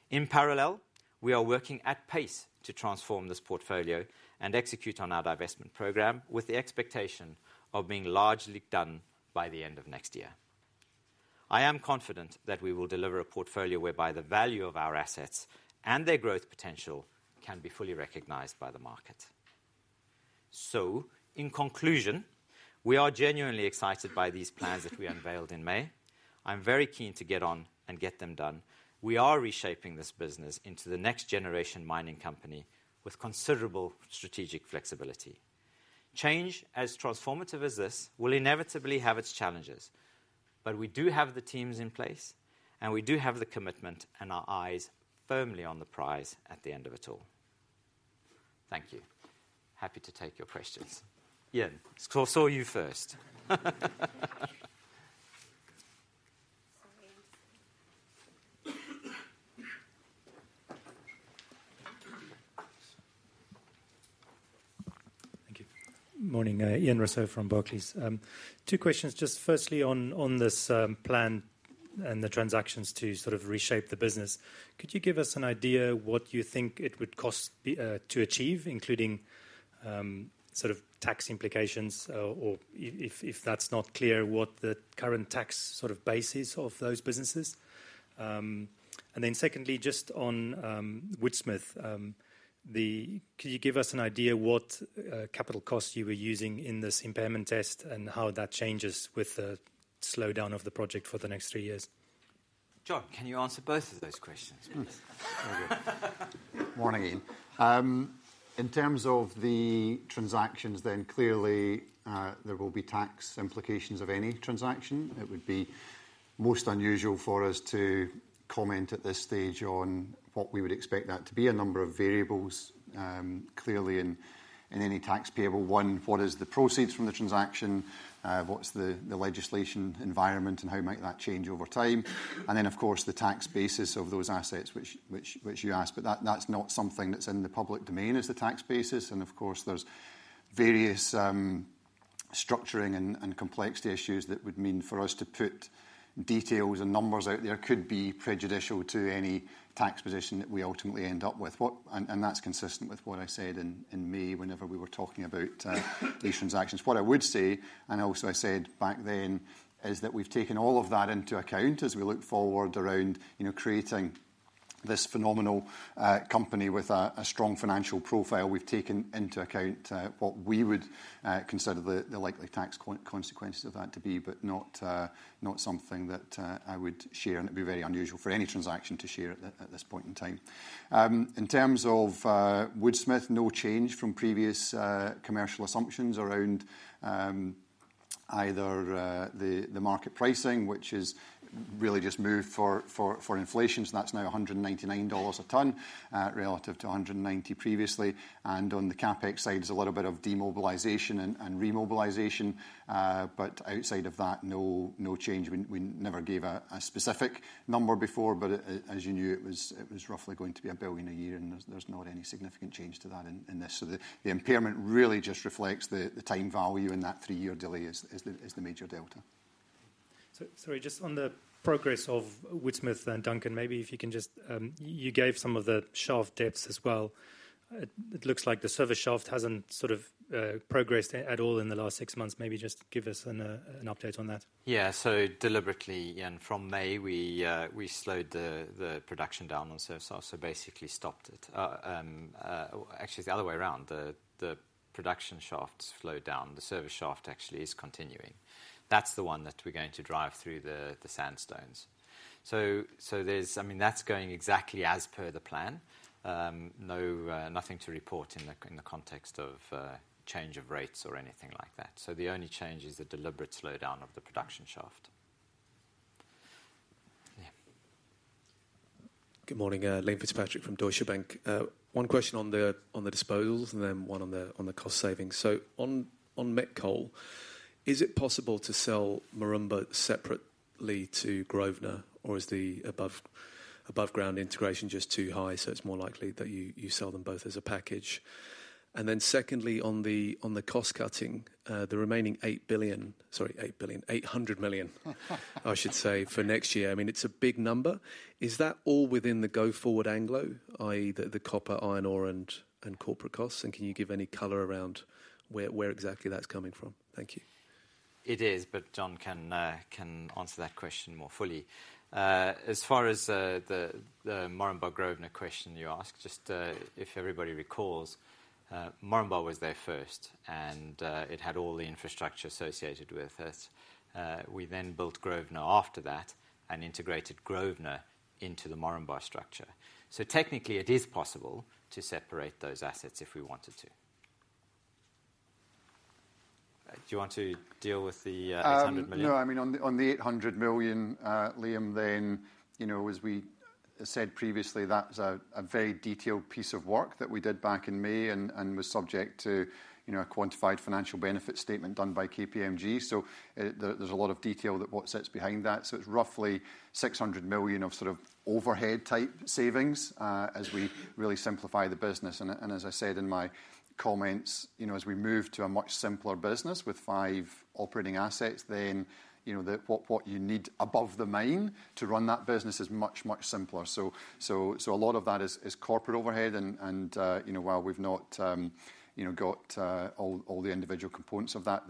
In parallel, we are working at pace to transform this portfolio and execute on our divestment program with the expectation of being largely done by the end of next year. I am confident that we will deliver a portfolio whereby the value of our assets and their growth potential can be fully recognized by the market. So, in conclusion, we are genuinely excited by these plans that we unveiled in May. I'm very keen to get on and get them done. We are reshaping this business into the next-generation mining company with considerable strategic flexibility. Change, as transformative as this, will inevitably have its challenges. But we do have the teams in place, and we do have the commitment and our eyes firmly on the prize at the end of it all. Thank you. Happy to take your questions. Ian Rossouw, you first. Thank you. Morning. Ian Rossouw from Barclays. Two questions. Just firstly, on this plan and the transactions to sort of reshape the business, could you give us an idea of what you think it would cost to achieve, including sort of tax implications? Or if that's not clear, what the current tax sort of base is of those businesses? And then secondly, just on Woodsmith, could you give us an idea of what capital costs you were using in this impairment test and how that changes with the slowdown of the project for the next three years? John, can you answer both of those questions? Morning, Ian. In terms of the transactions, then clearly there will be tax implications of any transaction. It would be most unusual for us to comment at this stage on what we would expect that to be. A number of variables, clearly in any tax payable. One, what is the proceeds from the transaction? What's the legislation environment and how might that change over time? And then, of course, the tax basis of those assets which you asked. But that's not something that's in the public domain as the tax basis. And of course, there's various structuring and complexity issues that would mean for us to put details and numbers out there could be prejudicial to any tax position that we ultimately end up with. And that's consistent with what I said in May whenever we were talking about these transactions. What I would say, and also I said back then, is that we've taken all of that into account as we look forward around creating this phenomenal company with a strong financial profile. We've taken into account what we would consider the likely tax consequences of that to be, but not something that I would share. And it'd be very unusual for any transaction to share at this point in time. In terms of Woodsmith, no change from previous commercial assumptions around either the market pricing, which has really just moved for inflation. So that's now $199 a ton relative to $190 previously. And on the CapEx side, there's a little bit of demobilization and remobilization. But outside of that, no change. We never gave a specific number before, but as you knew, it was roughly going to be $1 billion a year, and there's not any significant change to that in this. So the impairment really just reflects the time value, and that three-year delay is the major delta. Sorry, just on the progress of Woodsmith and Duncan, maybe if you can just, you gave some of the shaft depths as well. It looks like the service shaft hasn't sort of progressed at all in the last six months. Maybe just give us an update on that. Yeah. So deliberately, Ian, from May, we slowed the production down on service shaft. So basically stopped it. Actually, it's the other way around. The production shaft slowed down. The service shaft actually is continuing. That's the one that we're going to drive through the sandstones. So I mean, that's going exactly as per the plan. Nothing to report in the context of change of rates or anything like that. So the only change is the deliberate slowdown of the production shaft. Good morning. Liam Fitzpatrick from Deutsche Bank. One question on the disposals and then one on the cost savings. So on met coal, is it possible to sell Moranbah separately from Grosvenor, or is the above-ground integration just too high? So it's more likely that you sell them both as a package. And then secondly, on the cost cutting, the remaining $8 billion, sorry, $800 million, I should say, for next year, I mean, it's a big number. Is that all within the go-forward anglo, i.e., the copper, iron ore, and corporate costs? And can you give any color around where exactly that's coming from? Thank you. It is, but John can answer that question more fully. As far as the Moranbah-Grosvenor question you asked, just if everybody recalls, Moranbah was there first, and it had all the infrastructure associated with it. We then built Grosvenor after that and integrated Grosvenor into the Moranbah structure. So technically, it is possible to separate those assets if we wanted to. Do you want to deal with the $800 million? No, I mean, on the $800 million, Liam, then as we said previously, that's a very detailed piece of work that we did back in May and was subject to a quantified financial benefit statement done by KPMG. So there's a lot of detail that what sits behind that. So it's roughly $600 million of sort of overhead-type savings as we really simplify the business. As I said in my comments, as we move to a much simpler business with five operating assets, then what you need above the main to run that business is much, much simpler. So a lot of that is corporate overhead. And while we've not got all the individual components of that,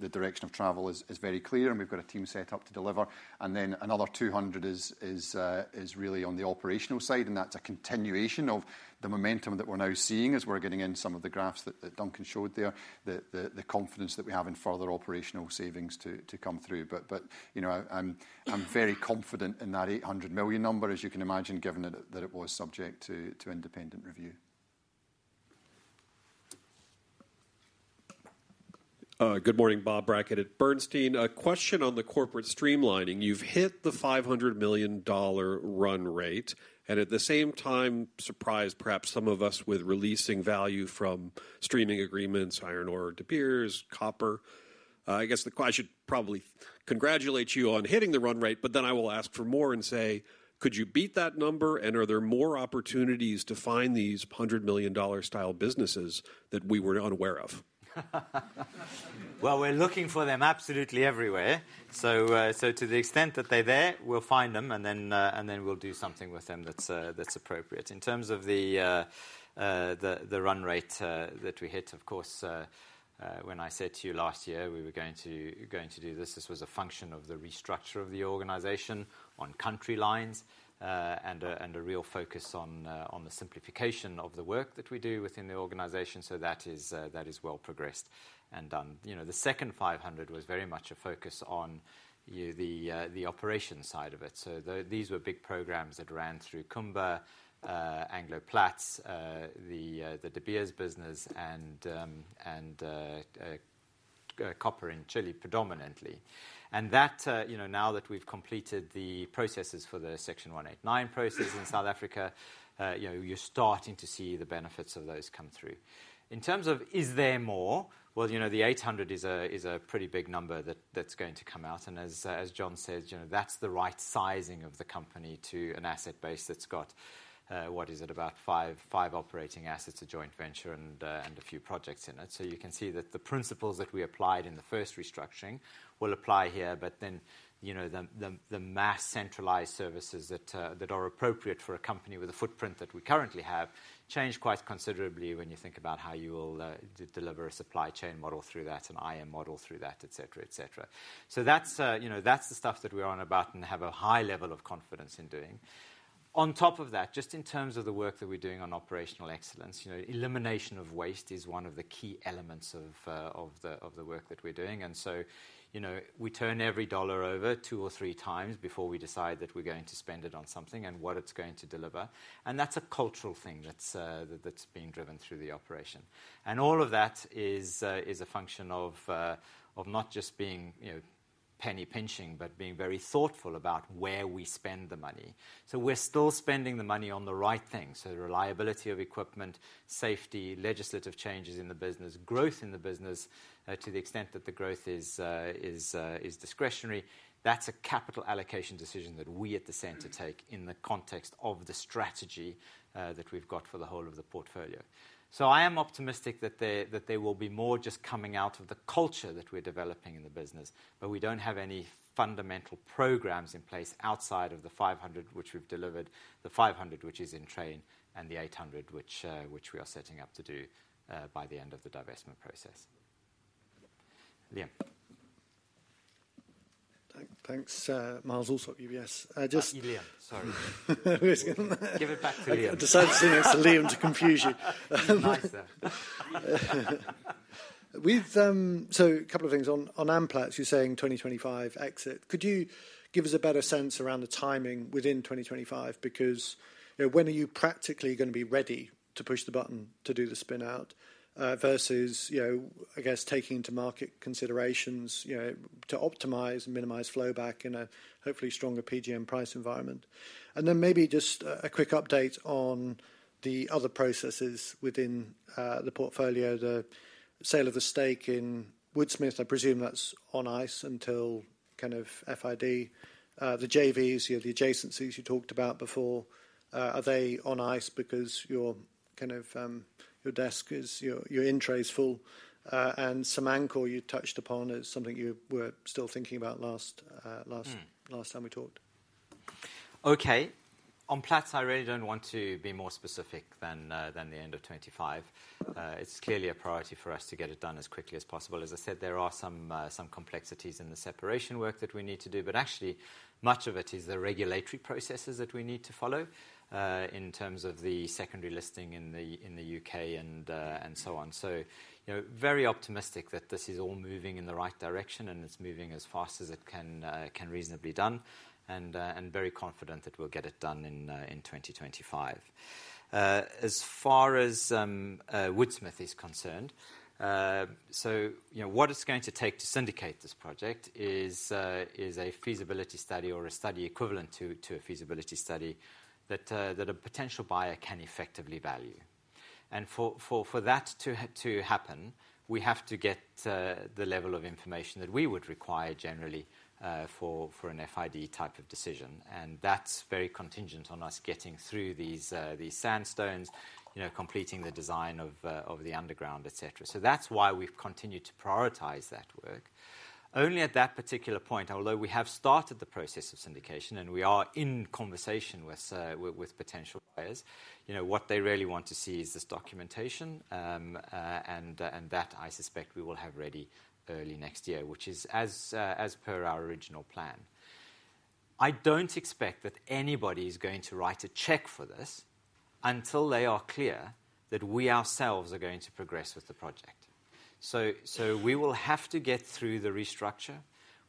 the direction of travel is very clear, and we've got a team set up to deliver. And then another $200 is really on the operational side, and that's a continuation of the momentum that we're now seeing as we're getting in some of the graphs that Duncan showed there, the confidence that we have in further operational savings to come through. But I'm very confident in that $800 million number, as you can imagine, given that it was subject to independent review. Good morning, Bob Brackett at Bernstein. A question on the corporate streamlining. You've hit the $500 million run rate, ad at the same time, surprised perhaps some of us with releasing value from streaming agreements, iron ore, De Beers, copper. I guess I should probably congratulate you on hitting the run rate, but then I will ask for more and say, could you beat that number? And are there more opportunities to find these $100 million style businesses that we were unaware of? Well, we're looking for them absolutely everywhere. So to the extent that they're there, we'll find them, and then we'll do something with them that's appropriate. In terms of the run rate that we hit, of course, when I said to you last year we were going to do this, this was a function of the restructure of the organization on country lines and a real focus on the simplification of the work that we do within the organization. So that is well progressed. And the second $500 was very much a focus on the operation side of it. So these were big programs that ran through Kumba, Anglo Platinum, the De Beers business, and copper in Chile predominantly. And now that we've completed the processes for the Section 189 process in South Africa, you're starting to see the benefits of those come through. In terms of is there more, well, the $800 is a pretty big number that's going to come out. And as John says, that's the right sizing of the company to an asset base that's got, what is it, about five operating assets, a joint venture, and a few projects in it. So you can see that the principles that we applied in the first restructuring will apply here. But then the mass centralized services that are appropriate for a company with a footprint that we currently have change quite considerably when you think about how you will deliver a supply chain model through that and IM model through that, et cetera, et cetera. So that's the stuff that we're on about and have a high level of confidence in doing. On top of that, just in terms of the work that we're doing on operational excellence, elimination of waste is one of the key elements of the work that we're doing. And so we turn every dollar over two or three times before we decide that we're going to spend it on something and what it's going to deliver. And that's a cultural thing that's being driven through the operation. And all of that is a function of not just being penny pinching, but being very thoughtful about where we spend the money. So we're still spending the money on the right things. So the reliability of equipment, safety, legislative changes in the business, growth in the business, to the extent that the growth is discretionary, that's a capital allocation decision that we at the center take in the context of the strategy that we've got for the whole of the portfolio. So I am optimistic that there will be more just coming out of the culture that we're developing in the business. But we don't have any fundamental programs in place outside of the $500 which we've delivered, the $500 which is in train, and the $800 which we are setting up to do by the end of the divestment process. Liam. Thanks. Myles Allsop at UBS. Just. Liam. Sorry. Give it back to Liam. Decided to say it's Liam to confuse you. So a couple of things. On Amplat, you're saying 2025 exit. Could you give us a better sense around the timing within 2025? Because when are you practically going to be ready to push the button to do the spin-out versus, I guess, taking into market considerations to optimize and minimize flow back in a hopefully stronger PGM price environment? And then maybe just a quick update on the other processes within the portfolio, the sale of the stake in Woodsmith. I presume that's on ice until kind of FID. The JVs, the adjacencies you talked about before, are they on ice because your desk is, your in tray is full? And Samancor you touched upon is something you were still thinking about last time we talked. Okay. On Amplats, I really don't want to be more specific than the end of 2025. It's clearly a priority for us to get it done as quickly as possible. As I said, there are some complexities in the separation work that we need to do. But actually, much of it is the regulatory processes that we need to follow in terms of the secondary listing in the UK and so on. So very optimistic that this is all moving in the right direction and it's moving as fast as it can reasonably done. And very confident that we'll get it done in 2025. As far as Woodsmith is concerned, so what it's going to take to syndicate this project is a feasibility study or a study equivalent to a feasibility study that a potential buyer can effectively value. For that to happen, we have to get the level of information that we would require generally for an FID type of decision. That's very contingent on us getting through these sandstones, completing the design of the underground, et cetera. That's why we've continued to prioritize that work. Only at that particular point, although we have started the process of syndication and we are in conversation with potential buyers, what they really want to see is this documentation. That I suspect we will have ready early next year, which is as per our original plan. I don't expect that anybody is going to write a check for this until they are clear that we ourselves are going to progress with the project. We will have to get through the restructure.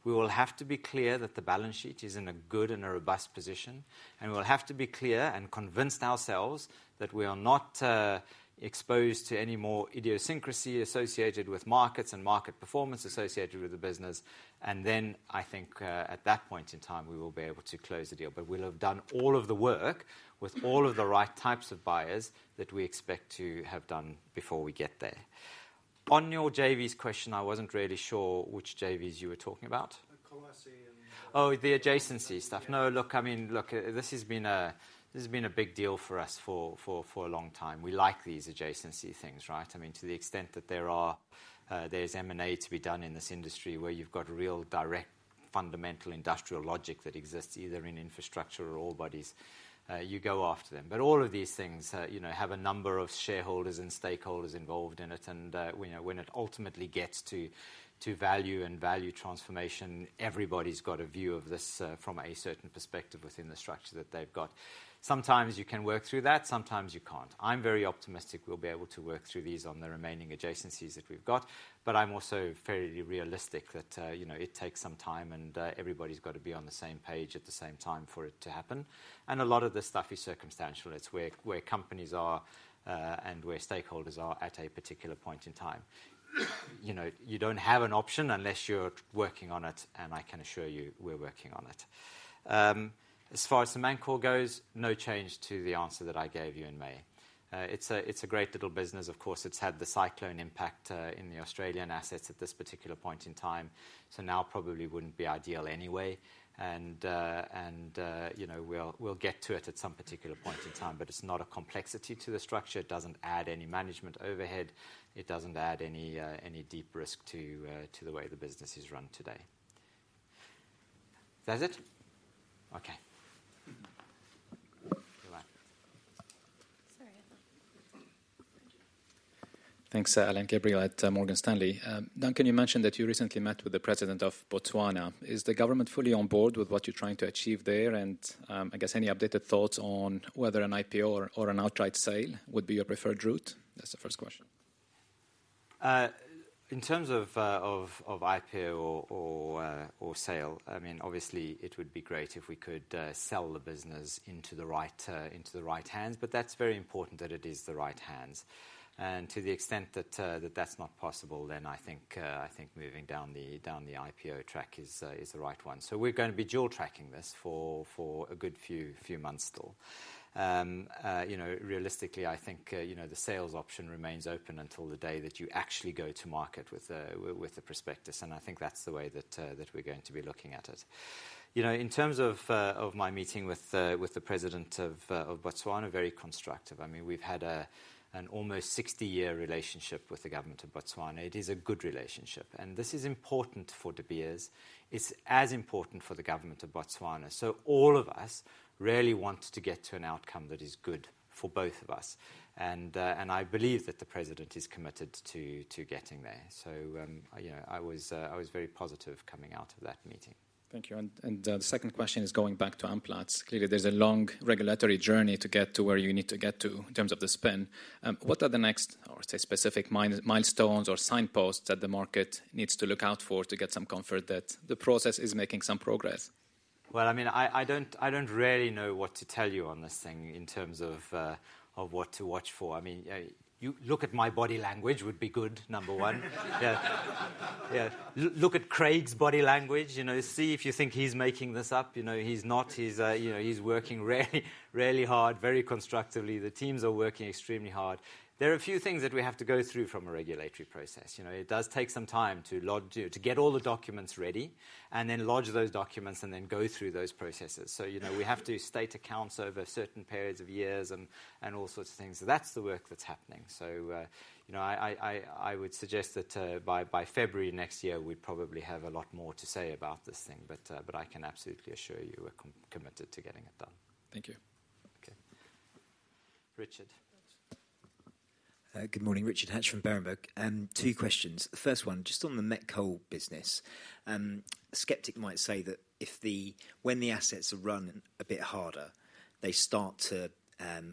We will have to be clear that the balance sheet is in a good and a robust position. We'll have to be clear and convinced ourselves that we are not exposed to any more idiosyncrasy associated with markets and market performance associated with the business. Then I think at that point in time, we will be able to close the deal. We'll have done all of the work with all of the right types of buyers that we expect to have done before we get there. On your JVs question, I wasn't really sure which JVs you were talking about. The Collahuasi. Oh, the adjacency stuff. No, look, I mean, look, this has been a big deal for us for a long time. We like these adjacency things, right? I mean, to the extent that there is M&A to be done in this industry where you've got real direct fundamental industrial logic that exists either in infrastructure or all bodies, you go after them. But all of these things have a number of shareholders and stakeholders involved in it. And when it ultimately gets to value and value transformation, everybody's got a view of this from a certain perspective within the structure that they've got. Sometimes you can work through that. Sometimes you can't. I'm very optimistic we'll be able to work through these on the remaining adjacencies that we've got. But I'm also fairly realistic that it takes some time and everybody's got to be on the same page at the same time for it to happen. And a lot of this stuff is circumstantial. It's where companies are and where stakeholders are at a particular point in time. You don't have an option unless you're working on it, and I can assure you we're working on it. As far as Anglo goes, no change to the answer that I gave you in May. It's a great little business. Of course, it's had the cyclone impact in the Australian assets at this particular point in time. So now probably wouldn't be ideal anyway. And we'll get to it at some particular point in time, but it's not a complexity to the structure. It doesn't add any management overhead. It doesn't add any deep risk to the way the business is run today. That's it? Okay. Thanks, Alain Gabriel at Morgan Stanley. Duncan, you mentioned that you recently met with the president of Botswana. Is the government fully on board with what you're trying to achieve there? And I guess any updated thoughts on whether an IPO or an outright sale would be your preferred route? That's the first question. In terms of IPO or sale, I mean, obviously, it would be great if we could sell the business into the right hands. But that's very important that it is the right hands. And to the extent that that's not possible, then I think moving down the IPO track is the right one. So we're going to be dual tracking this for a good few months still. Realistically, I think the sales option remains open until the day that you actually go to market with the prospectus. And I think that's the way that we're going to be looking at it. In terms of my meeting with the president of Botswana, very constructive. I mean, we've had an almost 60-year relationship with the government of Botswana. It is a good relationship. This is important for De Beers. It's as important for the government of Botswana. So all of us really want to get to an outcome that is good for both of us. And I believe that the president is committed to getting there. So I was very positive coming out of that meeting. Thank you. And the second question is going back to Amplat. Clearly, there's a long regulatory journey to get to where you need to get to in terms of the spin. What are the next, I would say, specific milestones or signposts that the market needs to look out for to get some comfort that the process is making some progress? Well, I mean, I don't really know what to tell you on this thing in terms of what to watch for. I mean, look at my body language would be good, number one. Look at Craig's body language. See if you think he's making this up. He's not. He's working really hard, very constructively. The teams are working extremely hard. There are a few things that we have to go through from a regulatory process. It does take some time to get all the documents ready and then lodge those documents and then go through those processes. So we have to state accounts over certain periods of years and all sorts of things. So that's the work that's happening. So I would suggest that by February next year, we'd probably have a lot more to say about this thing. But I can absolutely assure you we're committed to getting it done. Thank you. Richard. Good morning. Richard Hatch from Berenberg. Two questions. The first one, just on the met coal business. A skeptic might say that when the assets are run a bit harder, they start to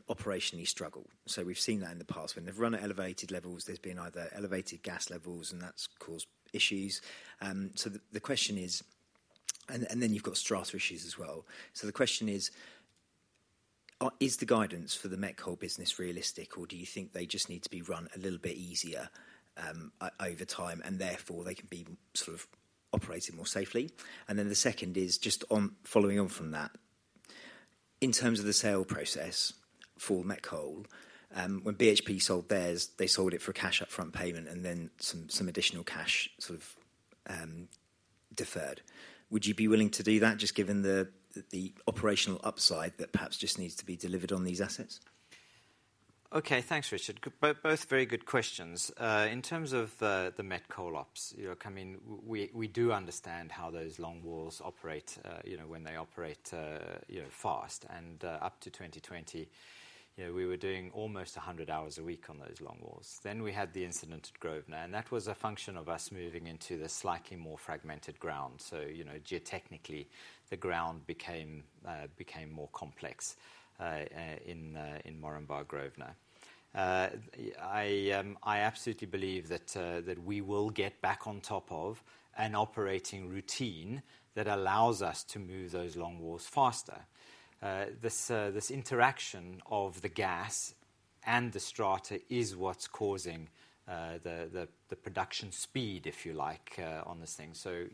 operationally struggle. So we've seen that in the past. When they've run at elevated levels, there's been either elevated gas levels, and that's caused issues. So the question is, and then you've got strata issues as well. So the question is, is the guidance for the met coal business realistic, or do you think they just need to be run a little bit easier over time and therefore they can be sort of operated more safely? And then the second is just following on from that. In terms of the sale process for met coal, when BHP sold theirs, they sold it for cash upfront payment and then some additional cash sort of deferred. Would you be willing to do that just given the operational upside that perhaps just needs to be delivered on these assets? Okay. Thanks, Richard. Both very good questions. In terms of the met coal ops, I mean, we do understand how those longwalls operate when they operate fast. Up to 2020, we were doing almost 100 hours a week on those longwalls. Then we had the incident at Grosvenor. That was a function of us moving into the slightly more fragmented ground. So geotechnically, the ground became more complex in Moranbah, Grosvenor. I absolutely believe that we will get back on top of an operating routine that allows us to move those longwalls faster. This interaction of the gas and the strata is what's causing the production speed, if you like, on this thing. So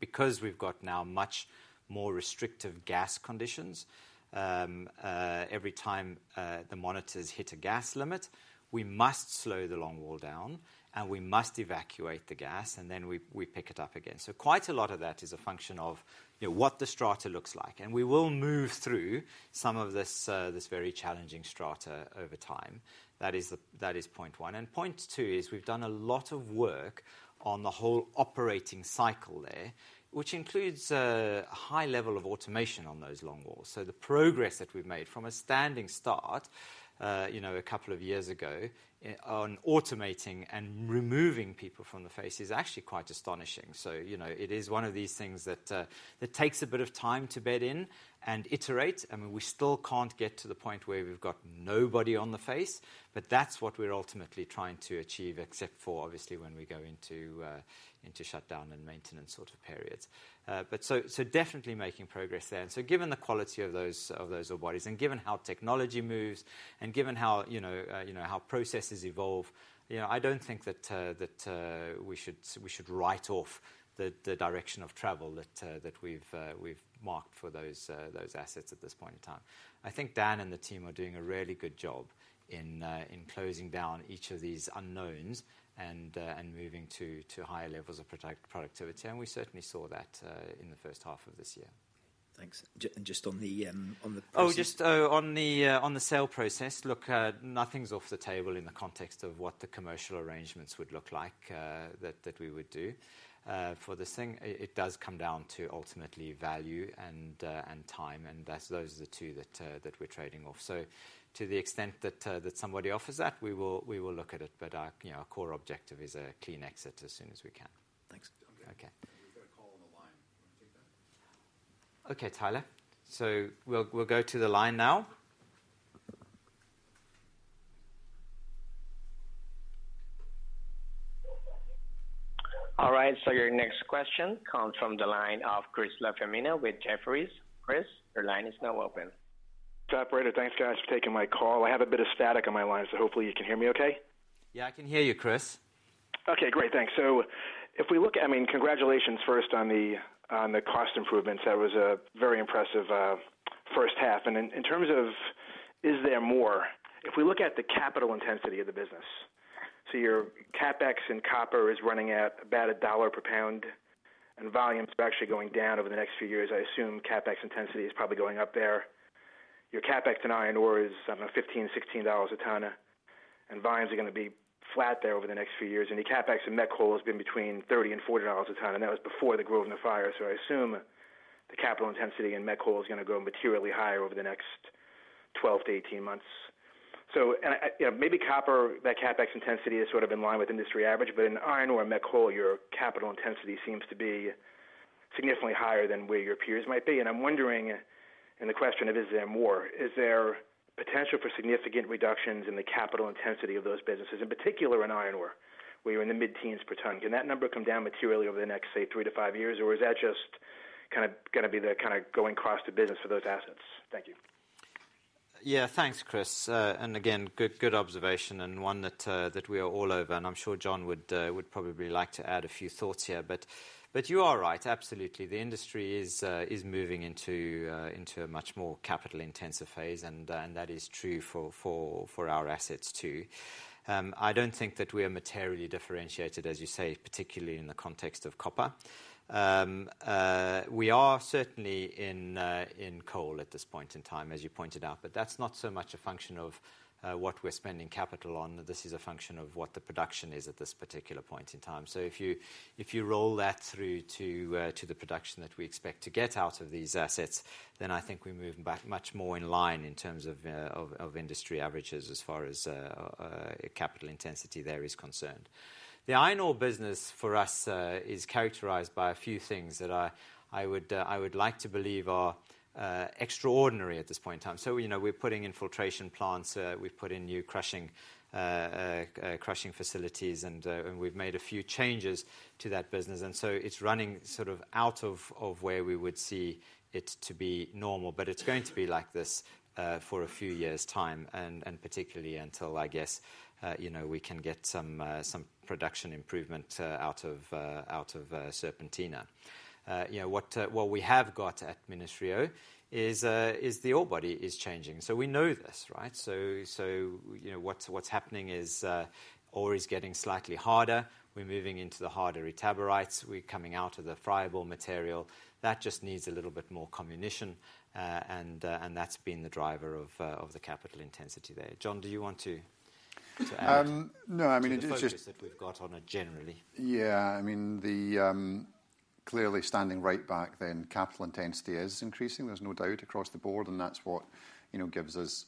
because we've got now much more restrictive gas conditions, every time the monitors hit a gas limit, we must slow the longwall down, and we must evacuate the gas, and then we pick it up again. So quite a lot of that is a function of what the strata looks like. And we will move through some of this very challenging strata over time. That is point one. And point two is we've done a lot of work on the whole operating cycle there, which includes a high level of automation on those longwalls. So the progress that we've made from a standing start a couple of years ago on automating and removing people from the face is actually quite astonishing. So it is one of these things that takes a bit of time to bed in and iterate. I mean, we still can't get to the point where we've got nobody on the face. But that's what we're ultimately trying to achieve, except for obviously when we go into shutdown and maintenance sort of periods. But so definitely making progress there. And so given the quality of those old bodies and given how technology moves and given how processes evolve, I don't think that we should write off the direction of travel that we've marked for those assets at this point in time. I think Dan and the team are doing a really good job in closing down each of these unknowns and moving to higher levels of productivity. And we certainly saw that in the first half of this year. Thanks. And just on the process. Oh, just on the sale process, look, nothing's off the table in the context of what the commercial arrangements would look like that we would do for this thing. It does come down to ultimately value and time. And those are the two that we're trading off. So to the extent that somebody offers that, we will look at it. But our core objective is a clean exit as soon as we can. Thanks. Okay. We've got a call on the line. Want to take that? Okay, Tyler. So we'll go to the line now. All right. So your next question comes from the line of Chris LaFemina with Jefferies. Chris, your line is now open. Hi, operator. Thanks for taking my call. I have a bit of static on my line, so hopefully you can hear me okay. Yeah, I can hear you, Chris. Okay, great. Thanks. So if we look at, I mean, congratulations first on the cost improvements. That was a very impressive first half. And in terms of is there more, if we look at the capital intensity of the business, so your CapEx in copper is running at about $1 per pound, and volumes are actually going down over the next few years. I assume CapEx intensity is probably going up there. Your CapEx in iron ore is, I don't know, $15-$16 a tonne. And volumes are going to be flat there over the next few years. And your CapEx in met coal has been between $30-$40 a tonne. And that was before the Grosvenor fire. So I assume the capital intensity in met coal is going to go materially higher over the next 12 to 18 months. So maybe copper, that CapEx intensity has sort of been in line with industry average. But in iron ore and met coal, your capital intensity seems to be significantly higher than where your peers might be. And I'm wondering in the question of is there more, is there potential for significant reductions in the capital intensity of those businesses, in particular in iron ore, where you're in the mid-teens per tonne? Can that number come down materially over the next, say, three-five years, or is that just kind of going to be the kind of ongoing cost of business for those assets? Thank you. Yeah, thanks, Chris. And again, good observation and one that we are all over. And I'm sure John would probably like to add a few thoughts here. But you are right. Absolutely. The industry is moving into a much more capital-intensive phase. That is true for our assets too. I don't think that we are materially differentiated, as you say, particularly in the context of copper. We are certainly in coal at this point in time, as you pointed out. That's not so much a function of what we're spending capital on. This is a function of what the production is at this particular point in time. If you roll that through to the production that we expect to get out of these assets, then I think we move back much more in line in terms of industry averages as far as capital intensity there is concerned. The iron ore business for us is characterized by a few things that I would like to believe are extraordinary at this point in time. We're putting in filtration plants. We've put in new crushing facilities, and we've made a few changes to that business. So it's running sort of out of where we would see it to be normal. But it's going to be like this for a few years' time, and particularly until, I guess, we can get some production improvement out of Serpentina. What we have got at Minas-Rio is the ore body is changing. So we know this, right? So what's happening is ore is getting slightly harder. We're moving into the harder itabirites. We're coming out of the friable material. That just needs a little bit more comminution. And that's been the driver of the capital intensity there. John, do you want to add? No, I mean, it's just that we've got ongoing generally. Yeah, I mean, clearly spend rate back then, capital intensity is increasing. There's no doubt across the board. That's what gives us,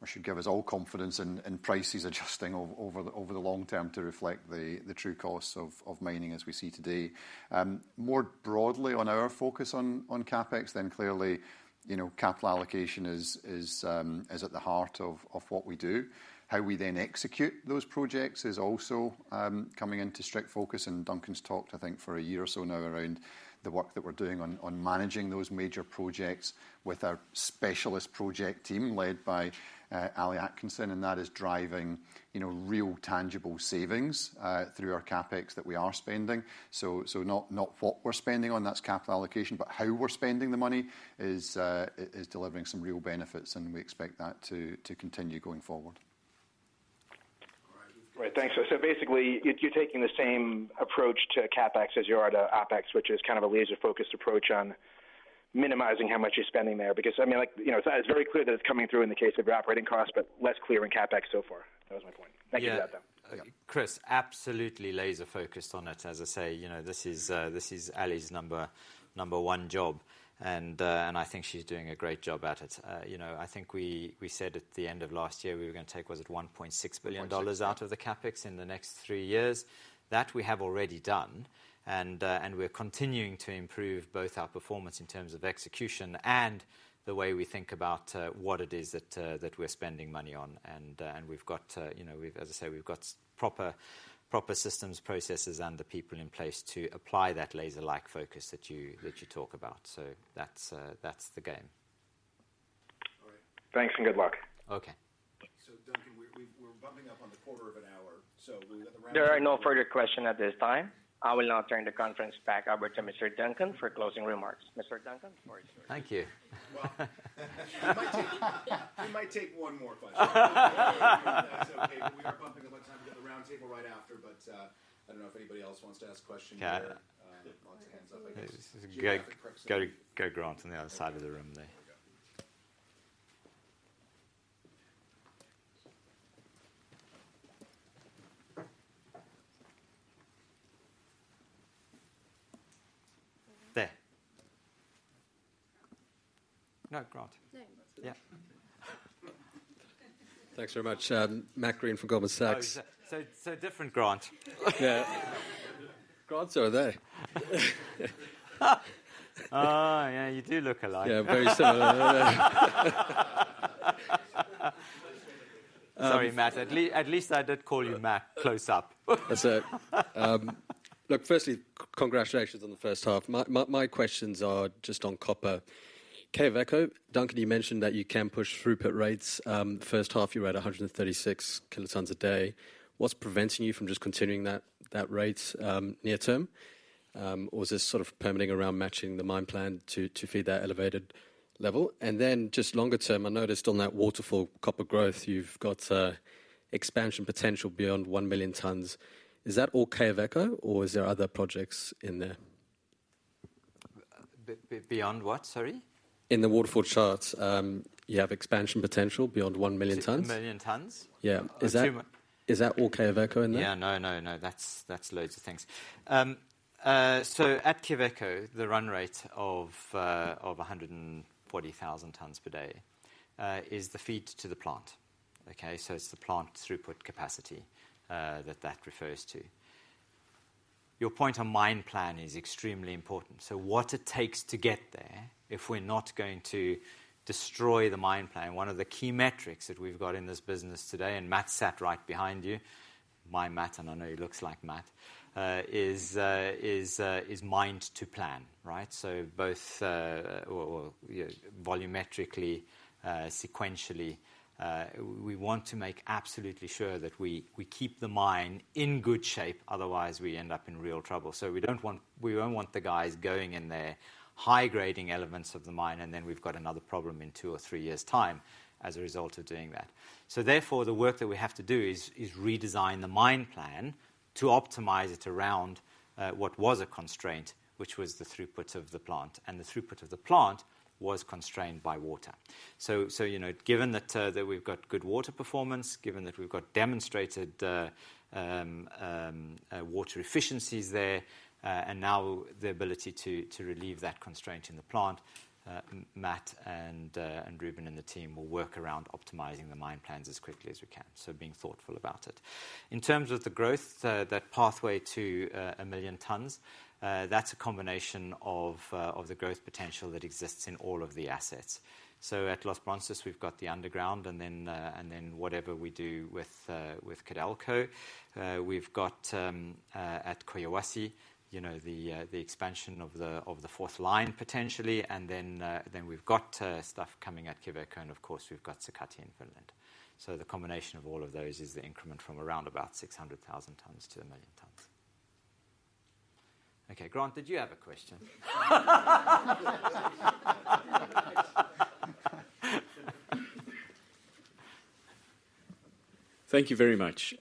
or should give us all confidence in prices adjusting over the long term to reflect the true costs of mining as we see today. More broadly on our focus on CapEx, then clearly capital allocation is at the heart of what we do. How we then execute those projects is also coming into strict focus. And Duncan's talked, I think, for a year or so now around the work that we're doing on managing those major projects with our specialist project team led by Ali Atkinson. And that is driving real tangible savings through our CapEx that we are spending. So not what we're spending on, that's capital allocation. But how we're spending the money is delivering some real benefits. And we expect that to continue going forward. All right. Thanks. So basically, you're taking the same approach to CapEx as you are to OpEx, which is kind of a laser-focused approach on minimizing how much you're spending there. Because I mean, it's very clear that it's coming through in the case of your operating costs, but less clear in CapEx so far. That was my point. Thank you for that, though. Chris, absolutely laser-focused on it. As I say, this is Ali's number one job. And I think she's doing a great job at it. I think we said at the end of last year we were going to take, was it $1.6 billion out of the CapEx in the next three years? That we have already done. And we're continuing to improve both our performance in terms of execution and the way we think about what it is that we're spending money on. And we've got, as I say, we've got proper systems, processes, and the people in place to apply that laser-like focus that you talk about. So that's the game. All right. Thanks and good luck. Okay. So Duncan, we're bumping up on the quarter of an hour. So we've got the round. There are no further questions at this time. I will now turn the conference back over to Mr. Duncan for closing remarks. Mr. Duncan, for a short. Thank you. We might take one more question. That's okay. We are bumping up on time to the round table right after. But I don't know if anybody else wants to ask a question. Lots of hands up, I guess. There's a good Grant on the other side of the room there. There. No, Grant. Yeah. Thanks very much. Matt Greene from Goldman Sachs. So different Grant. Yeah. Grants are there. Oh, yeah, you do look alike. Yeah, very similar. Sorry, Matt. At least I did call you Mac close up. That's it. Look, firstly, congratulations on the first half. My questions are just on copper. Okay, Quellaveco. Duncan, you mentioned that you can push throughput rates. The first half, you were at 136 kilotons a day. What's preventing you from just continuing that rate near term? Or is this sort of permitting around matching the mine plan to feed that elevated level? And then just longer term, I noticed on that waterfall copper growth, you've got expansion potential beyond 1 million tons. Is that all Quellaveco, or is there other projects in there? Beyond what, sorry? In the waterfall charts, you have expansion potential beyond one million tons. One million tons? Yeah. Is that all Quellaveco in there? Yeah, no, no, no. That's loads of things. At Quellaveco, the run rate of 140,000 tons per day is the feed to the plant. Okay? So it's the plant throughput capacity that that refers to. Your point on mine plan is extremely important. So what it takes to get there, if we're not going to destroy the mine plan, one of the key metrics that we've got in this business today, and Matt sat right behind you, my Matt, and I know he looks like Matt, is mine plan, right? So both volumetrically, sequentially, we want to make absolutely sure that we keep the mine in good shape. Otherwise, we end up in real trouble. So we don't want the guys going in there, high-grading elements of the mine, and then we've got another problem in two or three years' time as a result of doing that. So therefore, the work that we have to do is redesign the mine plan to optimize it around what was a constraint, which was the throughput of the plant. And the throughput of the plant was constrained by water. So given that we've got good water performance, given that we've got demonstrated water efficiencies there, and now the ability to relieve that constraint in the plant, Matt and Ruben and the team will work around optimizing the mine plans as quickly as we can, so being thoughtful about it. In terms of the growth, that pathway to 1,000,000 tons, that's a combination of the growth potential that exists in all of the assets. So at Los Bronces, we've got the underground, and then whatever we do with Codelco. We've got at Collahuasi, the expansion of the fourth line potentially. And then we've got stuff coming at Quellaveco. Of course, we've got Sakatti in Finland. So the combination of all of those is the increment from around about 600,000 tons to one million tons. Okay, Grant, did you have a question? Thank you very much.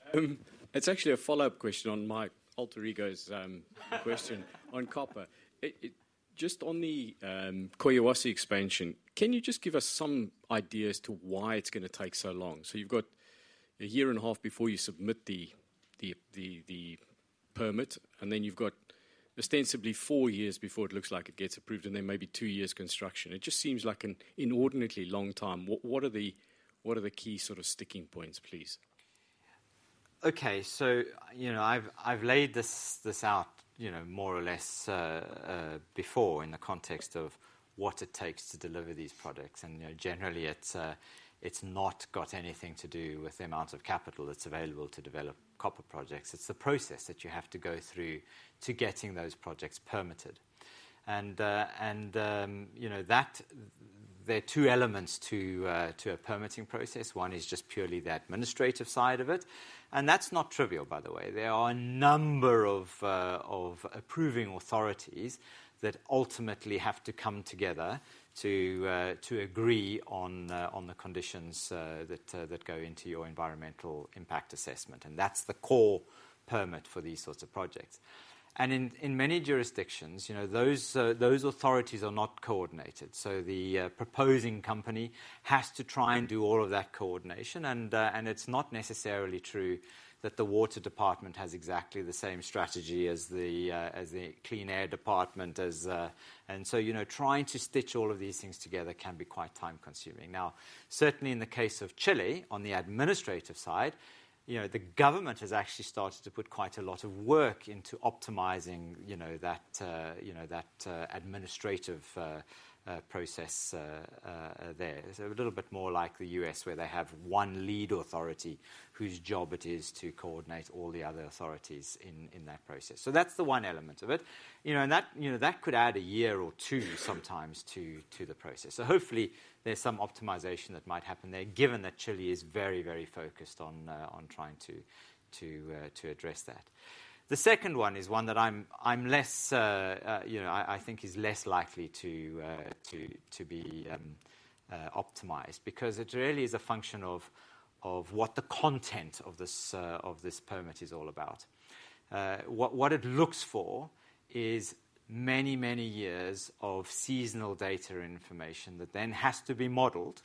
It's actually a follow-up question on my alter ego's question on copper. Just on the Collahuasi expansion, can you just give us some ideas to why it's going to take so long? So you've got a year and a half before you submit the permit, and then you've got ostensibly four years before it looks like it gets approved, and then maybe two years construction. It just seems like an inordinately long time. What are the key sort of sticking points, please? Okay, so I've laid this out more or less before in the context of what it takes to deliver these products. Generally, it's not got anything to do with the amount of capital that's available to develop copper projects. It's the process that you have to go through to getting those projects permitted. There are two elements to a permitting process. One is just purely the administrative side of it. That's not trivial, by the way. There are a number of approving authorities that ultimately have to come together to agree on the conditions that go into your environmental impact assessment. That's the core permit for these sorts of projects. In many jurisdictions, those authorities are not coordinated. So the proposing company has to try and do all of that coordination. It's not necessarily true that the water department has exactly the same strategy as the clean air department. Trying to stitch all of these things together can be quite time-consuming. Now, certainly in the case of Chile, on the administrative side, the government has actually started to put quite a lot of work into optimizing that administrative process there. It's a little bit more like the U.S., where they have one lead authority whose job it is to coordinate all the other authorities in that process. So that's the one element of it. And that could add a year or two sometimes to the process. So hopefully, there's some optimization that might happen there, given that Chile is very, very focused on trying to address that. The second one is one that I think is less likely to be optimized. Because it really is a function of what the content of this permit is all about. What it looks for is many, many years of seasonal data and information that then has to be modeled.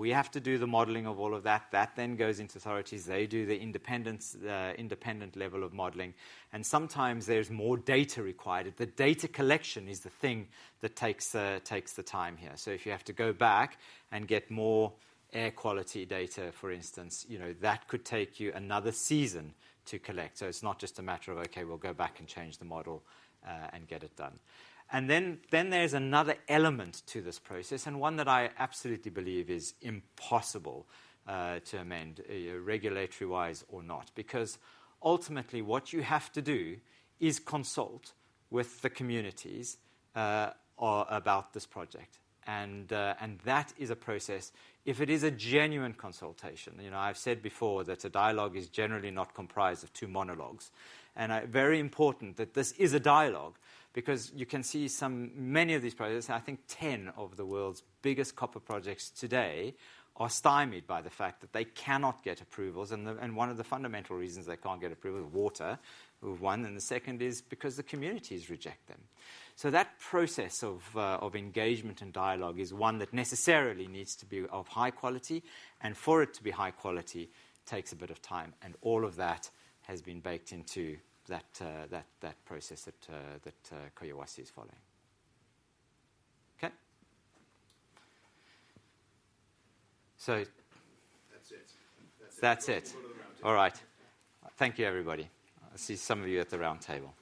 We have to do the modeling of all of that. That then goes into authorities. They do the independent level of modeling. And sometimes, there's more data required. The data collection is the thing that takes the time here. So if you have to go back and get more air quality data, for instance, that could take you another season to collect. So it's not just a matter of, okay, we'll go back and change the model and get it done. And then there's another element to this process, and one that I absolutely believe is impossible to amend, regulatory-wise or not. Because ultimately, what you have to do is consult with the communities about this project. And that is a process. If it is a genuine consultation, I've said before that a dialogue is generally not comprised of two monologues. And very important that this is a dialogue. Because you can see many of these projects, I think 10 of the world's biggest copper projects today are stymied by the fact that they cannot get approvals. And one of the fundamental reasons they can't get approval is water, who have won. And the second is because the communities reject them. So that process of engagement and dialogue is one that necessarily needs to be of high quality. And for it to be high quality, it takes a bit of time. And all of that has been baked into that process that Collahuasi is following. Okay? So. That's it. That's it. All right. Thank you, everybody. I see some of you at the round table.